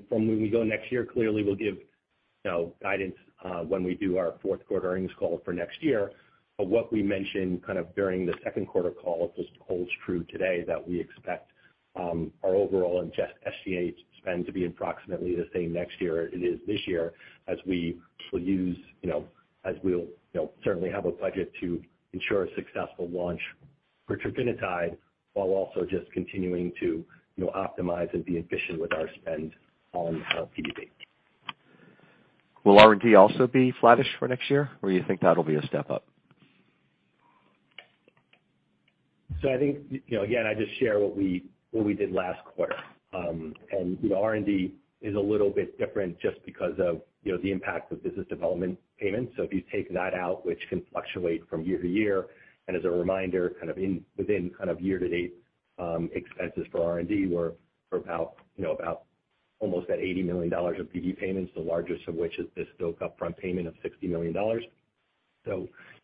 when we go next year, clearly we'll give you know guidance when we do our fourth-quarter earnings call for next year. What we mentioned kind of during the second quarter call just holds true today that we expect our overall SG&A spend to be approximately the same next year as it is this year as we'll you know certainly have a budget to ensure a successful launch for trofinetide while also just continuing to you know optimize and be efficient with our spend on our PDP. Will R&D also be flattish for next year, or you think that'll be a step up? I think, again, I just share what we did last quarter. R&D is a little bit different just because of the impact of business development payments. If you take that out, which can fluctuate from year to year, and as a reminder, within year-to-date, expenses for R&D were for about almost $80 million of BD payments, the largest of which is this Stoke upfront payment of $60 million.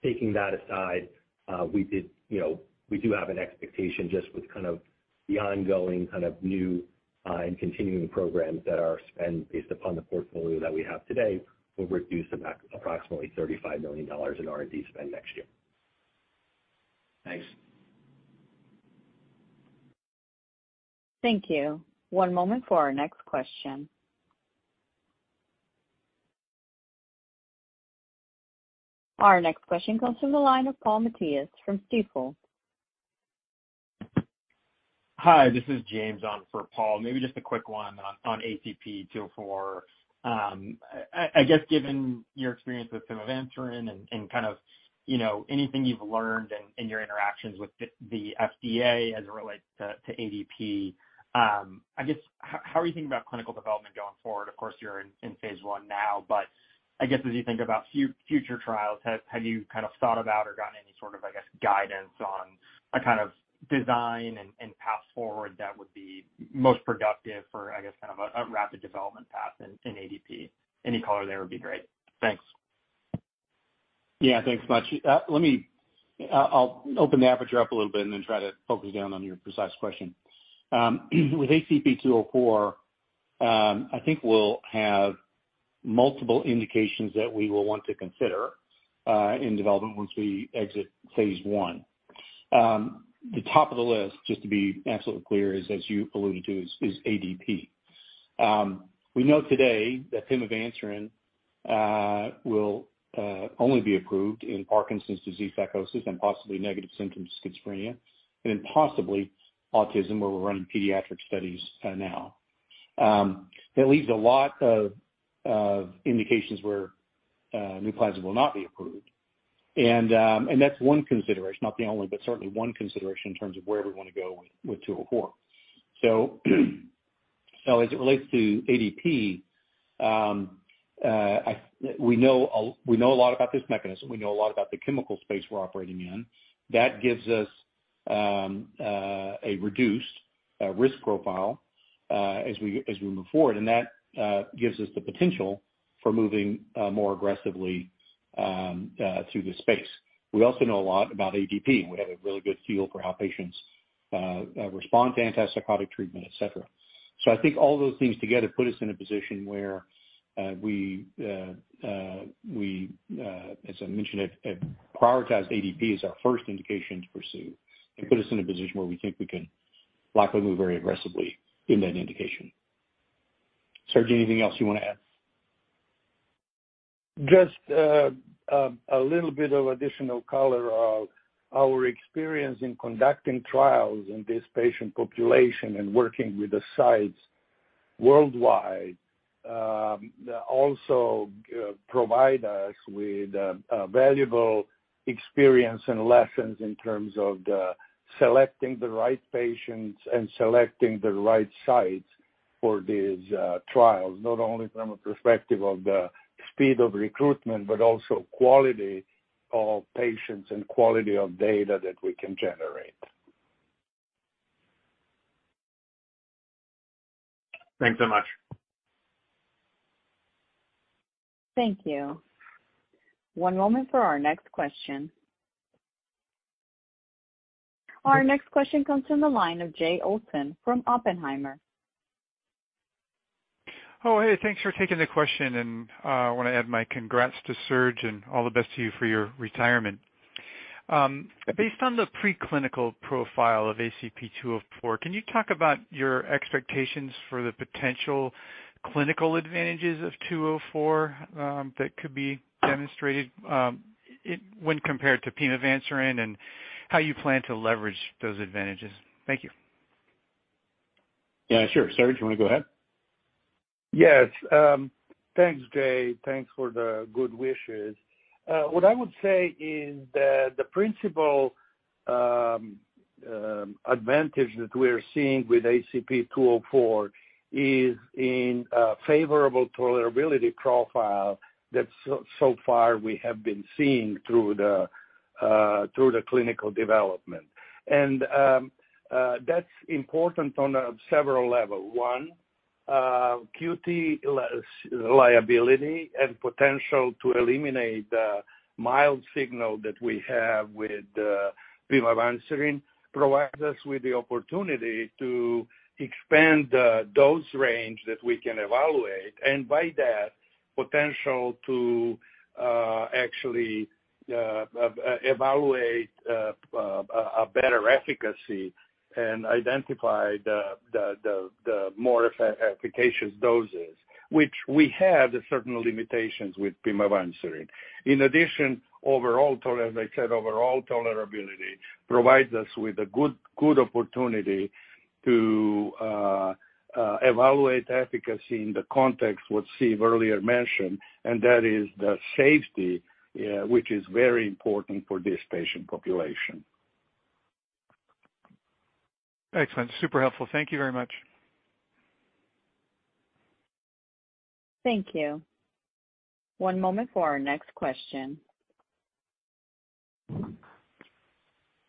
Taking that aside, we do have an expectation just with the ongoing new and continuing programs that our spend based upon the portfolio that we have today will reduce approximately $35 million in R&D spend next year. Thanks. Thank you. One moment for our next question. Our next question comes from the line of Paul Matteis from Stifel. Hi, this is James on for Paul. Maybe just a quick one on ACP-204. I guess given your experience with pimavanserin and kind of, you know, anything you've learned in your interactions with the FDA as it relates to ADP, I guess how are you thinking about clinical development going forward? Of course, you're in phase I now, but I guess as you think about future trials, have you kind of thought about or gotten any sort of guidance on a kind of design and path forward that would be most productive for a rapid development path in ADP? Any color there would be great. Thanks. Yeah, thanks much. I'll open the aperture up a little bit and then try to focus down on your precise question. With ACP-204, I think we'll have multiple indications that we will want to consider in development once we exit phase I. The top of the list, just to be absolutely clear, is as you alluded to, is ADP. We know today that pimavanserin will only be approved in Parkinson's disease psychosis and possibly negative symptoms schizophrenia, and then possibly autism, where we're running pediatric studies now. That leaves a lot of indications where NUPLAZID will not be approved. That's one consideration, not the only, but certainly one consideration in terms of where we wanna go with 204. As it relates to ADP, we know a lot about this mechanism. We know a lot about the chemical space we're operating in. That gives us a reduced risk profile as we move forward. That gives us the potential for moving more aggressively through the space. We also know a lot about ADP, and we have a really good feel for how patients respond to antipsychotic treatment, et cetera. I think all those things together put us in a position where, as I mentioned, we have prioritized ADP as our first indication to pursue and put us in a position where we think we can likely move very aggressively in that indication. Serge, anything else you wanna add? Just, a little bit of additional color of our experience in conducting trials in this patient population and working with the sites worldwide, also provide us with valuable experience and lessons in terms of the selecting the right patients and selecting the right sites for these trials, not only from a perspective of the speed of recruitment, but also quality of patients and quality of data that we can generate. Thanks so much. Thank you. One moment for our next question. Our next question comes from the line of Jay Olson from Oppenheimer. Hey, thanks for taking the question, and I wanna add my congrats to Serge and all the best to you for your retirement. Based on the preclinical profile of ACP-204, can you talk about your expectations for the potential clinical advantages of 204 that could be demonstrated when compared to pimavanserin, and how you plan to leverage those advantages? Thank you. Yeah, sure. Serge, you wanna go ahead? Yes. Thanks, Jay. Thanks for the good wishes. What I would say is that the principal advantage that we're seeing with ACP-204 is in a favorable tolerability profile that so far we have been seeing through the clinical development. That's important on a several level. One, QT liability and potential to eliminate the mild signal that we have with pimavanserin provides us with the opportunity to expand those range that we can evaluate, and by that, potential to actually evaluate a better efficacy and identify the the more efficacious doses, which we have certain limitations with pimavanserin. In addition, overall tolerability provides us with a good opportunity to evaluate efficacy in the context what Steve earlier mentioned, and that is the safety, which is very important for this patient population. Excellent. Super helpful. Thank you very much. Thank you. One moment for our next question.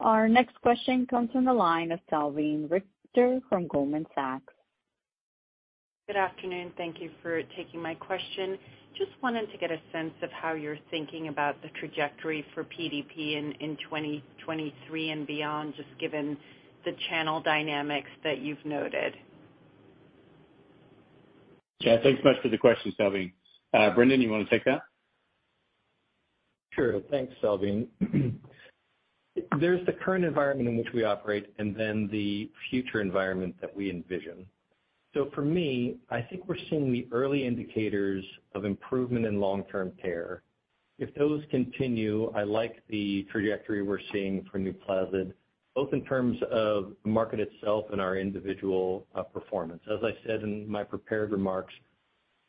Our next question comes from the line of Salveen Richter from Goldman Sachs. Good afternoon. Thank you for taking my question. Just wanted to get a sense of how you're thinking about the trajectory for PDP in 2023 and beyond, just given the channel dynamics that you've noted. Yeah. Thanks much for the question, Salveen. Brendan, you wanna take that? Sure. Thanks, Salveen. There's the current environment in which we operate and then the future environment that we envision. For me, I think we're seeing the early indicators of improvement in long-term care. If those continue, I like the trajectory we're seeing for NUPLAZID, both in terms of the market itself and our individual performance. As I said in my prepared remarks,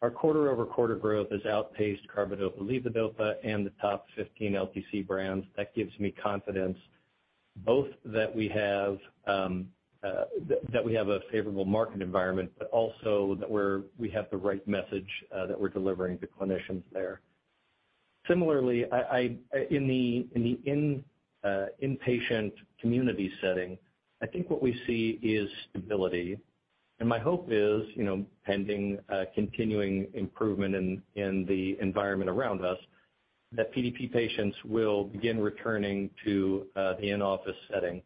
our quarter-over-quarter growth has outpaced carbidopa/levodopa and the top 15 LTC brands. That gives me confidence both that we have a favorable market environment, but also that we have the right message that we're delivering to clinicians there. Similarly, in the inpatient community setting, I think what we see is stability. My hope is, you know, pending continuing improvement in the environment around us, that PDP patients will begin returning to the in-office setting.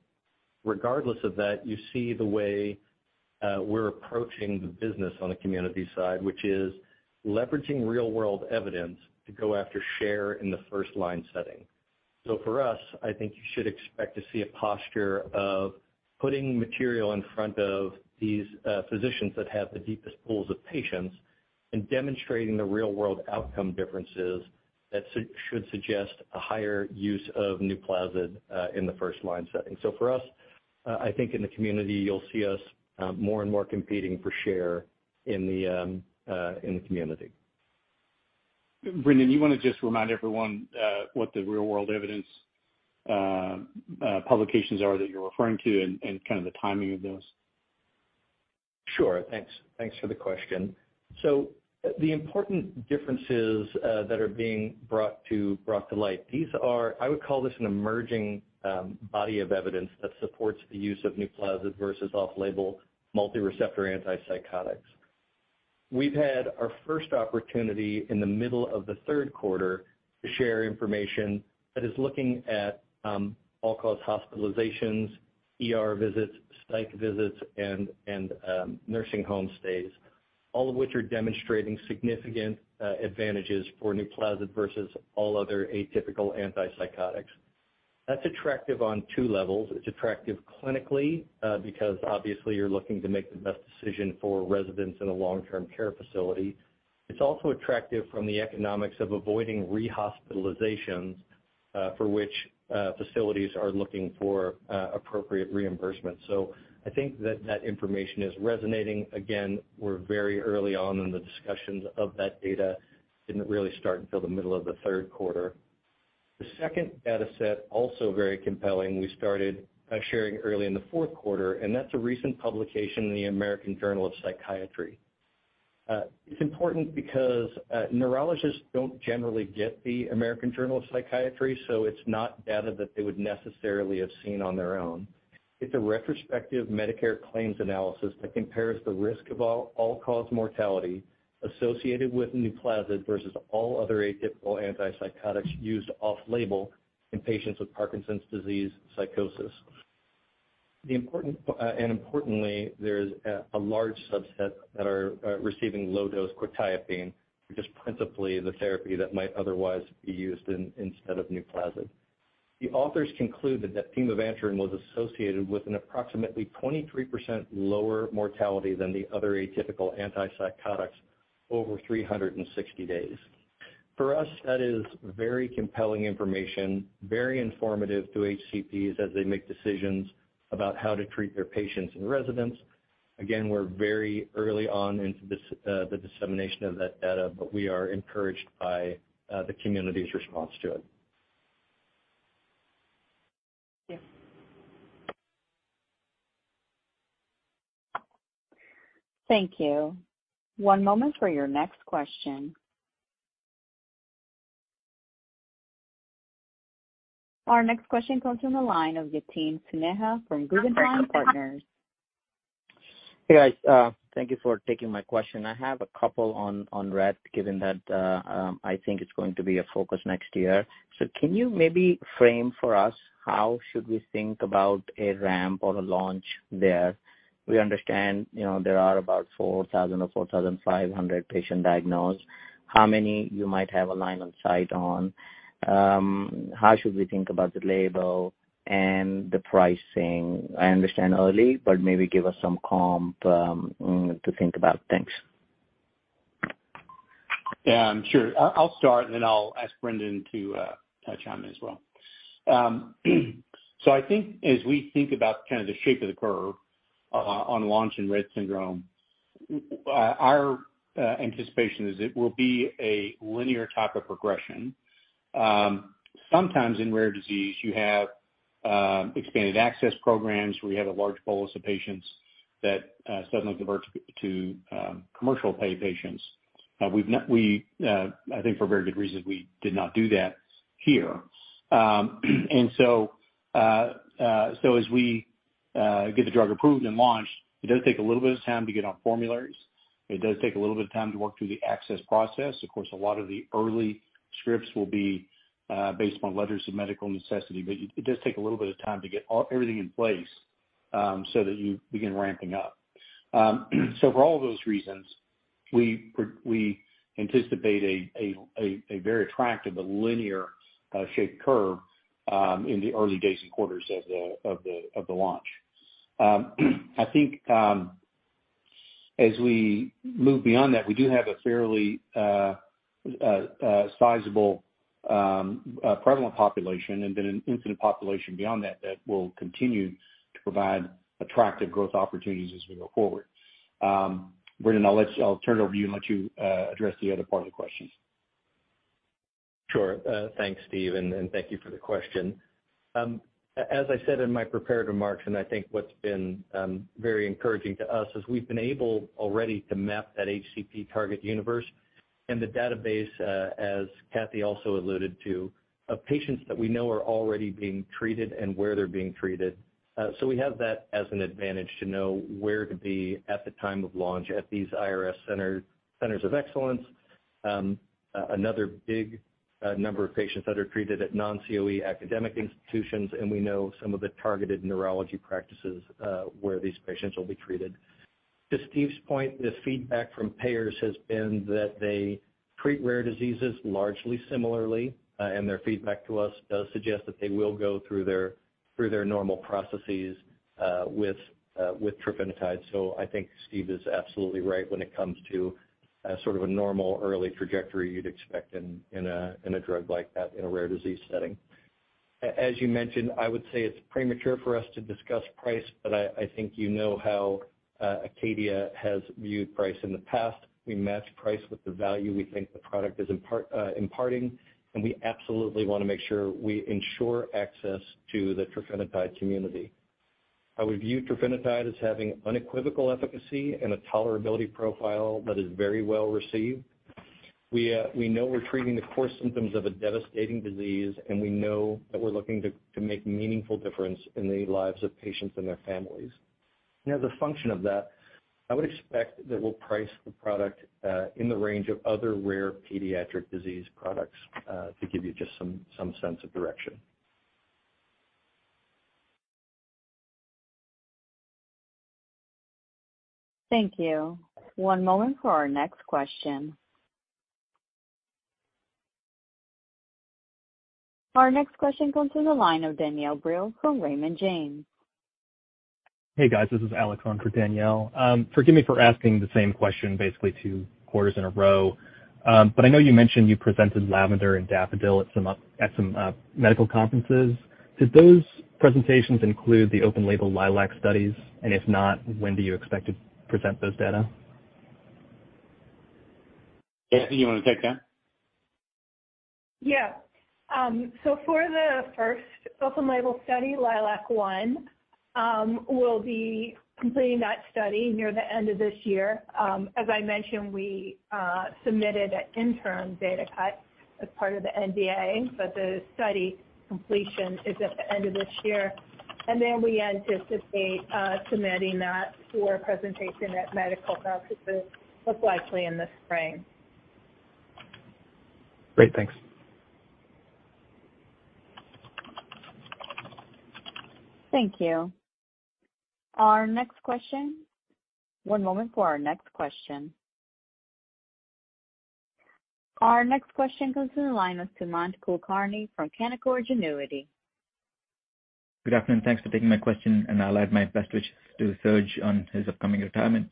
Regardless of that, you see the way we're approaching the business on the community side, which is leveraging real-world evidence to go after share in the first line setting. For us, I think you should expect to see a posture of putting material in front of these physicians that have the deepest pools of patients. Demonstrating the real-world outcome differences that should suggest a higher use of NUPLAZID in the first line setting. For us, I think in the community you'll see us more and more competing for share in the community. Brendan, do you wanna just remind everyone what the real world evidence publications are that you're referring to and kind of the timing of those? Sure. Thanks. Thanks for the question. The important differences that are being brought to light, these are, I would call this an emerging body of evidence that supports the use of NUPLAZID versus off-label multi-receptor antipsychotics. We've had our first opportunity in the middle of the third quarter to share information that is looking at all-cause hospitalizations, ER visits, psych visits, and nursing home stays, all of which are demonstrating significant advantages for NUPLAZID versus all other atypical antipsychotics. That's attractive on two levels. It's attractive clinically because obviously you're looking to make the best decision for residents in a long-term care facility. It's also attractive from the economics of avoiding rehospitalizations for which facilities are looking for appropriate reimbursement. I think that information is resonating. Again, we're very early on in the discussions of that data. Didn't really start until the middle of the third quarter. The second dataset, also very compelling, we started by sharing early in the fourth quarter, and that's a recent publication in the American Journal of Psychiatry. It's important because neurologists don't generally get the American Journal of Psychiatry, so it's not data that they would necessarily have seen on their own. It's a retrospective Medicare claims analysis that compares the risk of all-cause mortality associated with NUPLAZID versus all other atypical antipsychotics used off-label in patients with Parkinson's disease psychosis. Importantly, there's a large subset that are receiving low-dose quetiapine, which is principally the therapy that might otherwise be used instead of NUPLAZID. The authors concluded that pimavanserin was associated with an approximately 23% lower mortality than the other atypical antipsychotics over 360 days. For us, that is very compelling information, very informative to HCPs as they make decisions about how to treat their patients and residents. Again, we're very early on into the dissemination of that data, but we are encouraged by the community's response to it. Thank you. Thank you. One moment for your next question. Our next question comes from the line of Yatin Suneja from Guggenheim Partners. Hey, guys. Thank you for taking my question. I have a couple on Rett, given that I think it's going to be a focus next year. Can you maybe frame for us how should we think about a ramp or a launch there? We understand, you know, there are about 4,000 or 4,500 patients diagnosed. How many you might have a line of sight on? How should we think about the label and the pricing? I understand it's early, but maybe give us some comps to think about. Thanks. Yeah. Sure. I'll start, and then I'll ask Brendan to touch on it as well. I think as we think about kind of the shape of the curve on launch in Rett syndrome, our anticipation is it will be a linear type of progression. Sometimes in rare disease you have expanded access programs where you have a large bolus of patients that suddenly divert to commercial pay patients. We, I think for very good reasons, we did not do that here. As we get the drug approved and launched, it does take a little bit of time to get on formularies. It does take a little bit of time to work through the access process. Of course, a lot of the early scripts will be based on letters of medical necessity, but it does take a little bit of time to get all everything in place so that you begin ramping up. For all those reasons, we anticipate a very attractive but linear shaped curve in the early days and quarters of the launch. I think as we move beyond that, we do have a fairly sizable prevalent population and then an incident population beyond that that will continue to provide attractive growth opportunities as we go forward. Brendan, I'll turn it over to you and let you address the other part of the question. Sure. Thanks, Steve, and thank you for the question. As I said in my prepared remarks, and I think what's been very encouraging to us, is we've been able already to map that HCP target universe and the database, as Kathie also alluded to, of patients that we know are already being treated and where they're being treated. So we have that as an advantage to know where to be at the time of launch at these IRSF centers of excellence. Another big number of patients that are treated at non-COE academic institutions, and we know some of the targeted neurology practices, where these patients will be treated. To Steve's point, the feedback from payers has been that they treat rare diseases largely similarly, and their feedback to us does suggest that they will go through their normal processes, with trofinetide. I think Steve is absolutely right when it comes to as sort of a normal early trajectory you'd expect in a drug like that in a rare disease setting. As you mentioned, I would say it's premature for us to discuss price, but I think you know how Acadia has viewed price in the past. We match price with the value we think the product is imparting, and we absolutely wanna make sure we ensure access to the trofinetide community. I would view trofinetide as having unequivocal efficacy and a tolerability profile that is very well received. We know we're treating the core symptoms of a devastating disease, and we know that we're looking to make meaningful difference in the lives of patients and their families. As a function of that, I would expect that we'll price the product in the range of other rare pediatric disease products to give you just some sense of direction. Thank you. One moment for our next question. Our next question comes to the line of Danielle Brill from Raymond James. Hey, guys. This is Alex on for Danielle. Forgive me for asking the same question basically two quarters in a row. But I know you mentioned you presented LAVENDER and DAFFODIL at some medical conferences. Did those presentations include the open-label LILAC studies? If not, when do you expect to present those data? Kathie, you wanna take that? Yeah. For the first open-label study, LILAC-1, we'll be completing that study near the end of this year. As I mentioned, we submitted an interim data cut as part of the NDA, but the study completion is at the end of this year. Then we anticipate submitting that for presentation at medical conferences, most likely in the spring. Great. Thanks. Thank you. Our next question. One moment for our next question. Our next question goes to the line of Sumant Kulkarni from Canaccord Genuity. Good afternoon. Thanks for taking my question, and I'll add my best wishes to Serge on his upcoming retirement.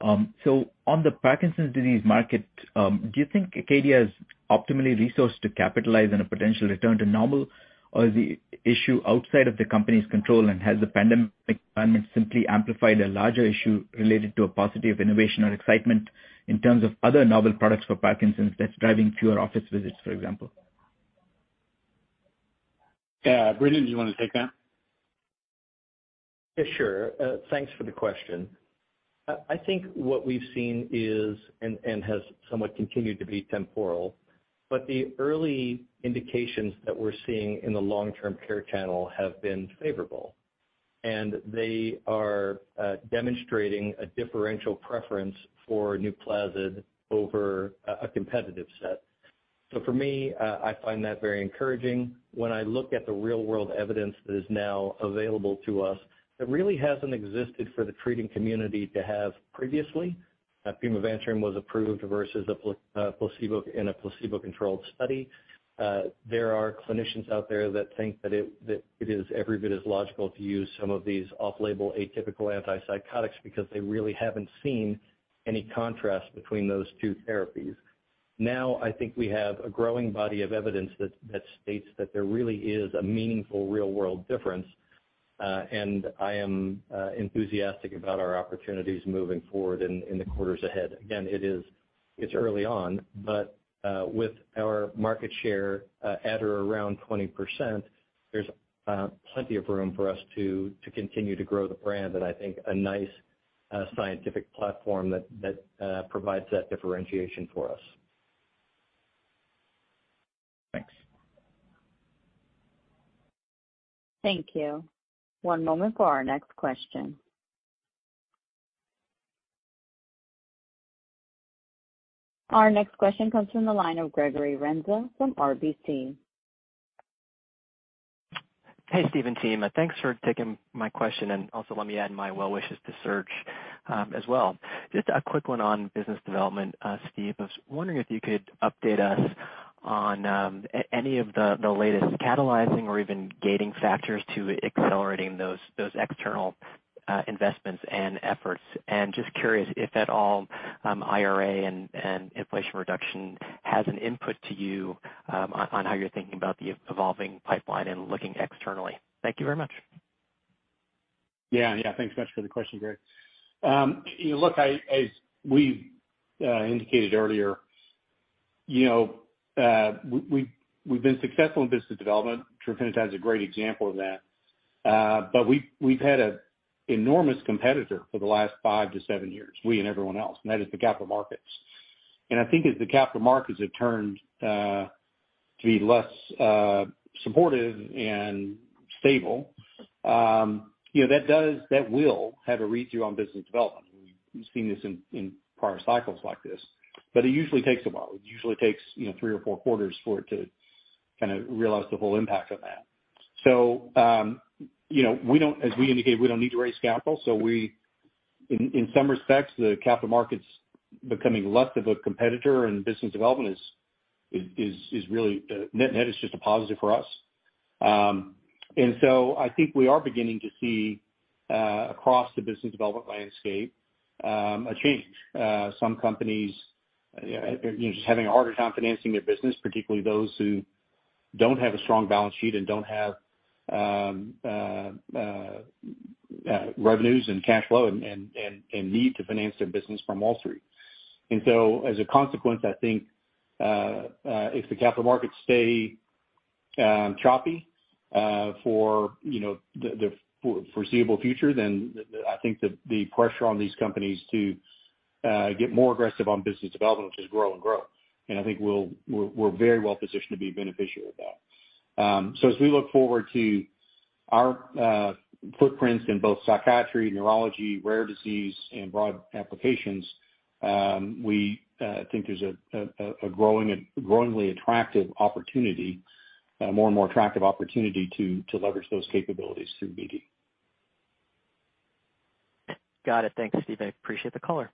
On the Parkinson's disease market, do you think Acadia is optimally resourced to capitalize on a potential return to normal? Is the issue outside of the company's control, and has the pandemic environment simply amplified a larger issue related to a paucity of innovation or excitement in terms of other novel products for Parkinson's that's driving fewer office visits, for example? Yeah, Brendan, do you wanna take that? Yeah, sure. Thanks for the question. I think what we've seen is and has somewhat continued to be temporal, but the early indications that we're seeing in the long-term care channel have been favorable, and they are demonstrating a differential preference for NUPLAZID over a competitive set. For me, I find that very encouraging when I look at the real world evidence that is now available to us that really hasn't existed for the treating community to have previously. Pimavanserin was approved versus a placebo in a placebo-controlled study. There are clinicians out there that think that it is every bit as logical to use some of these off-label atypical antipsychotics because they really haven't seen any contrast between those two therapies. Now, I think we have a growing body of evidence that states that there really is a meaningful real world difference, and I am enthusiastic about our opportunities moving forward in the quarters ahead. Again, it's early on, but with our market share at or around 20%, there's plenty of room for us to continue to grow the brand and I think a nice scientific platform that provides that differentiation for us. Thanks. Thank you. One moment for our next question. Our next question comes from the line of Gregory Renza from RBC. Hey, Steve and team. Thanks for taking my question, and also let me add my well wishes to Serge as well. Just a quick one on business development, Steve. I was wondering if you could update us on any of the latest catalyzing or even gating factors to accelerating those external investments and efforts. Just curious if at all, IRA and inflation reduction has an input to you on how you're thinking about the evolving pipeline and looking externally. Thank you very much. Thanks much for the question, Greg. Look, as we've indicated earlier, you know, we've been successful in business development. Trofinetide's a great example of that. But we've had an enormous competitor for the last 5-7 years, we and everyone else, and that is the capital markets. I think as the capital markets have turned to be less supportive and stable, you know, that will have a read through on business development. We've seen this in prior cycles like this, but it usually takes a while. It usually takes, you know, 3 or 4 quarters for it to kinda realize the whole impact of that. As we indicated, you know, we don't need to raise capital. In some respects, the capital markets becoming less of a competitor in business development is really net-net just a positive for us. I think we are beginning to see across the business development landscape a change. Some companies, you know, just having a harder time financing their business, particularly those who don't have a strong balance sheet and don't have revenues and cash flow and need to finance their business from Wall Street. As a consequence, I think if the capital markets stay choppy for you know the foreseeable future, then I think the pressure on these companies to get more aggressive on business development will just grow and grow. I think we're very well positioned to be beneficiary of that. As we look forward to our footprints in both psychiatry, neurology, rare disease, and broad applications, we think there's a growingly attractive opportunity, more and more attractive opportunity to leverage those capabilities through BD. Got it. Thanks, Steve. I appreciate the color.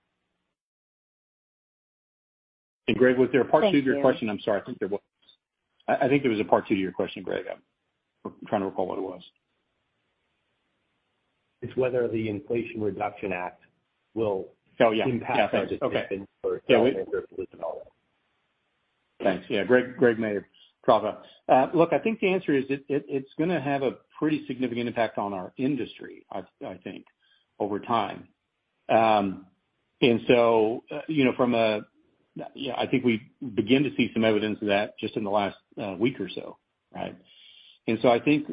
Greg, was there a part two to your question? Thank you. I'm sorry. I think there was a part two to your question, Greg. I'm trying to recall what it was. It's whether the Inflation Reduction Act will. Oh, yeah. impact budget decisions for Thanks. Yeah, Greg made a strong point. Look, I think the answer is it's gonna have a pretty significant impact on our industry. I think over time, you know, I think we begin to see some evidence of that just in the last week or so, right? I think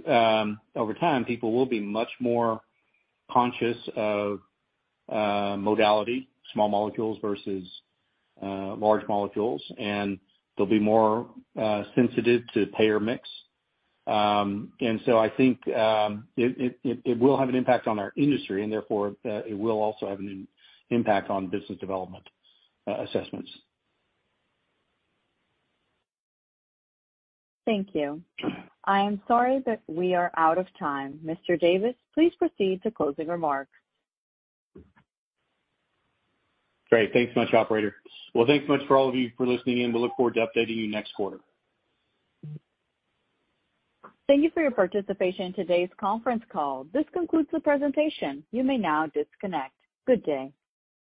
over time, people will be much more conscious of modality, small molecules versus large molecules, and they'll be more sensitive to payer mix. I think it will have an impact on our industry and therefore it will also have an impact on business development assessments. Thank you. I am sorry, but we are out of time. Mr. Davis, please proceed to closing remarks. Great. Thanks much, operator. Well, thanks so much for all of you for listening in. We look forward to updating you next quarter. Thank you for your participation in today's conference call. This concludes the presentation. You may now disconnect. Good day.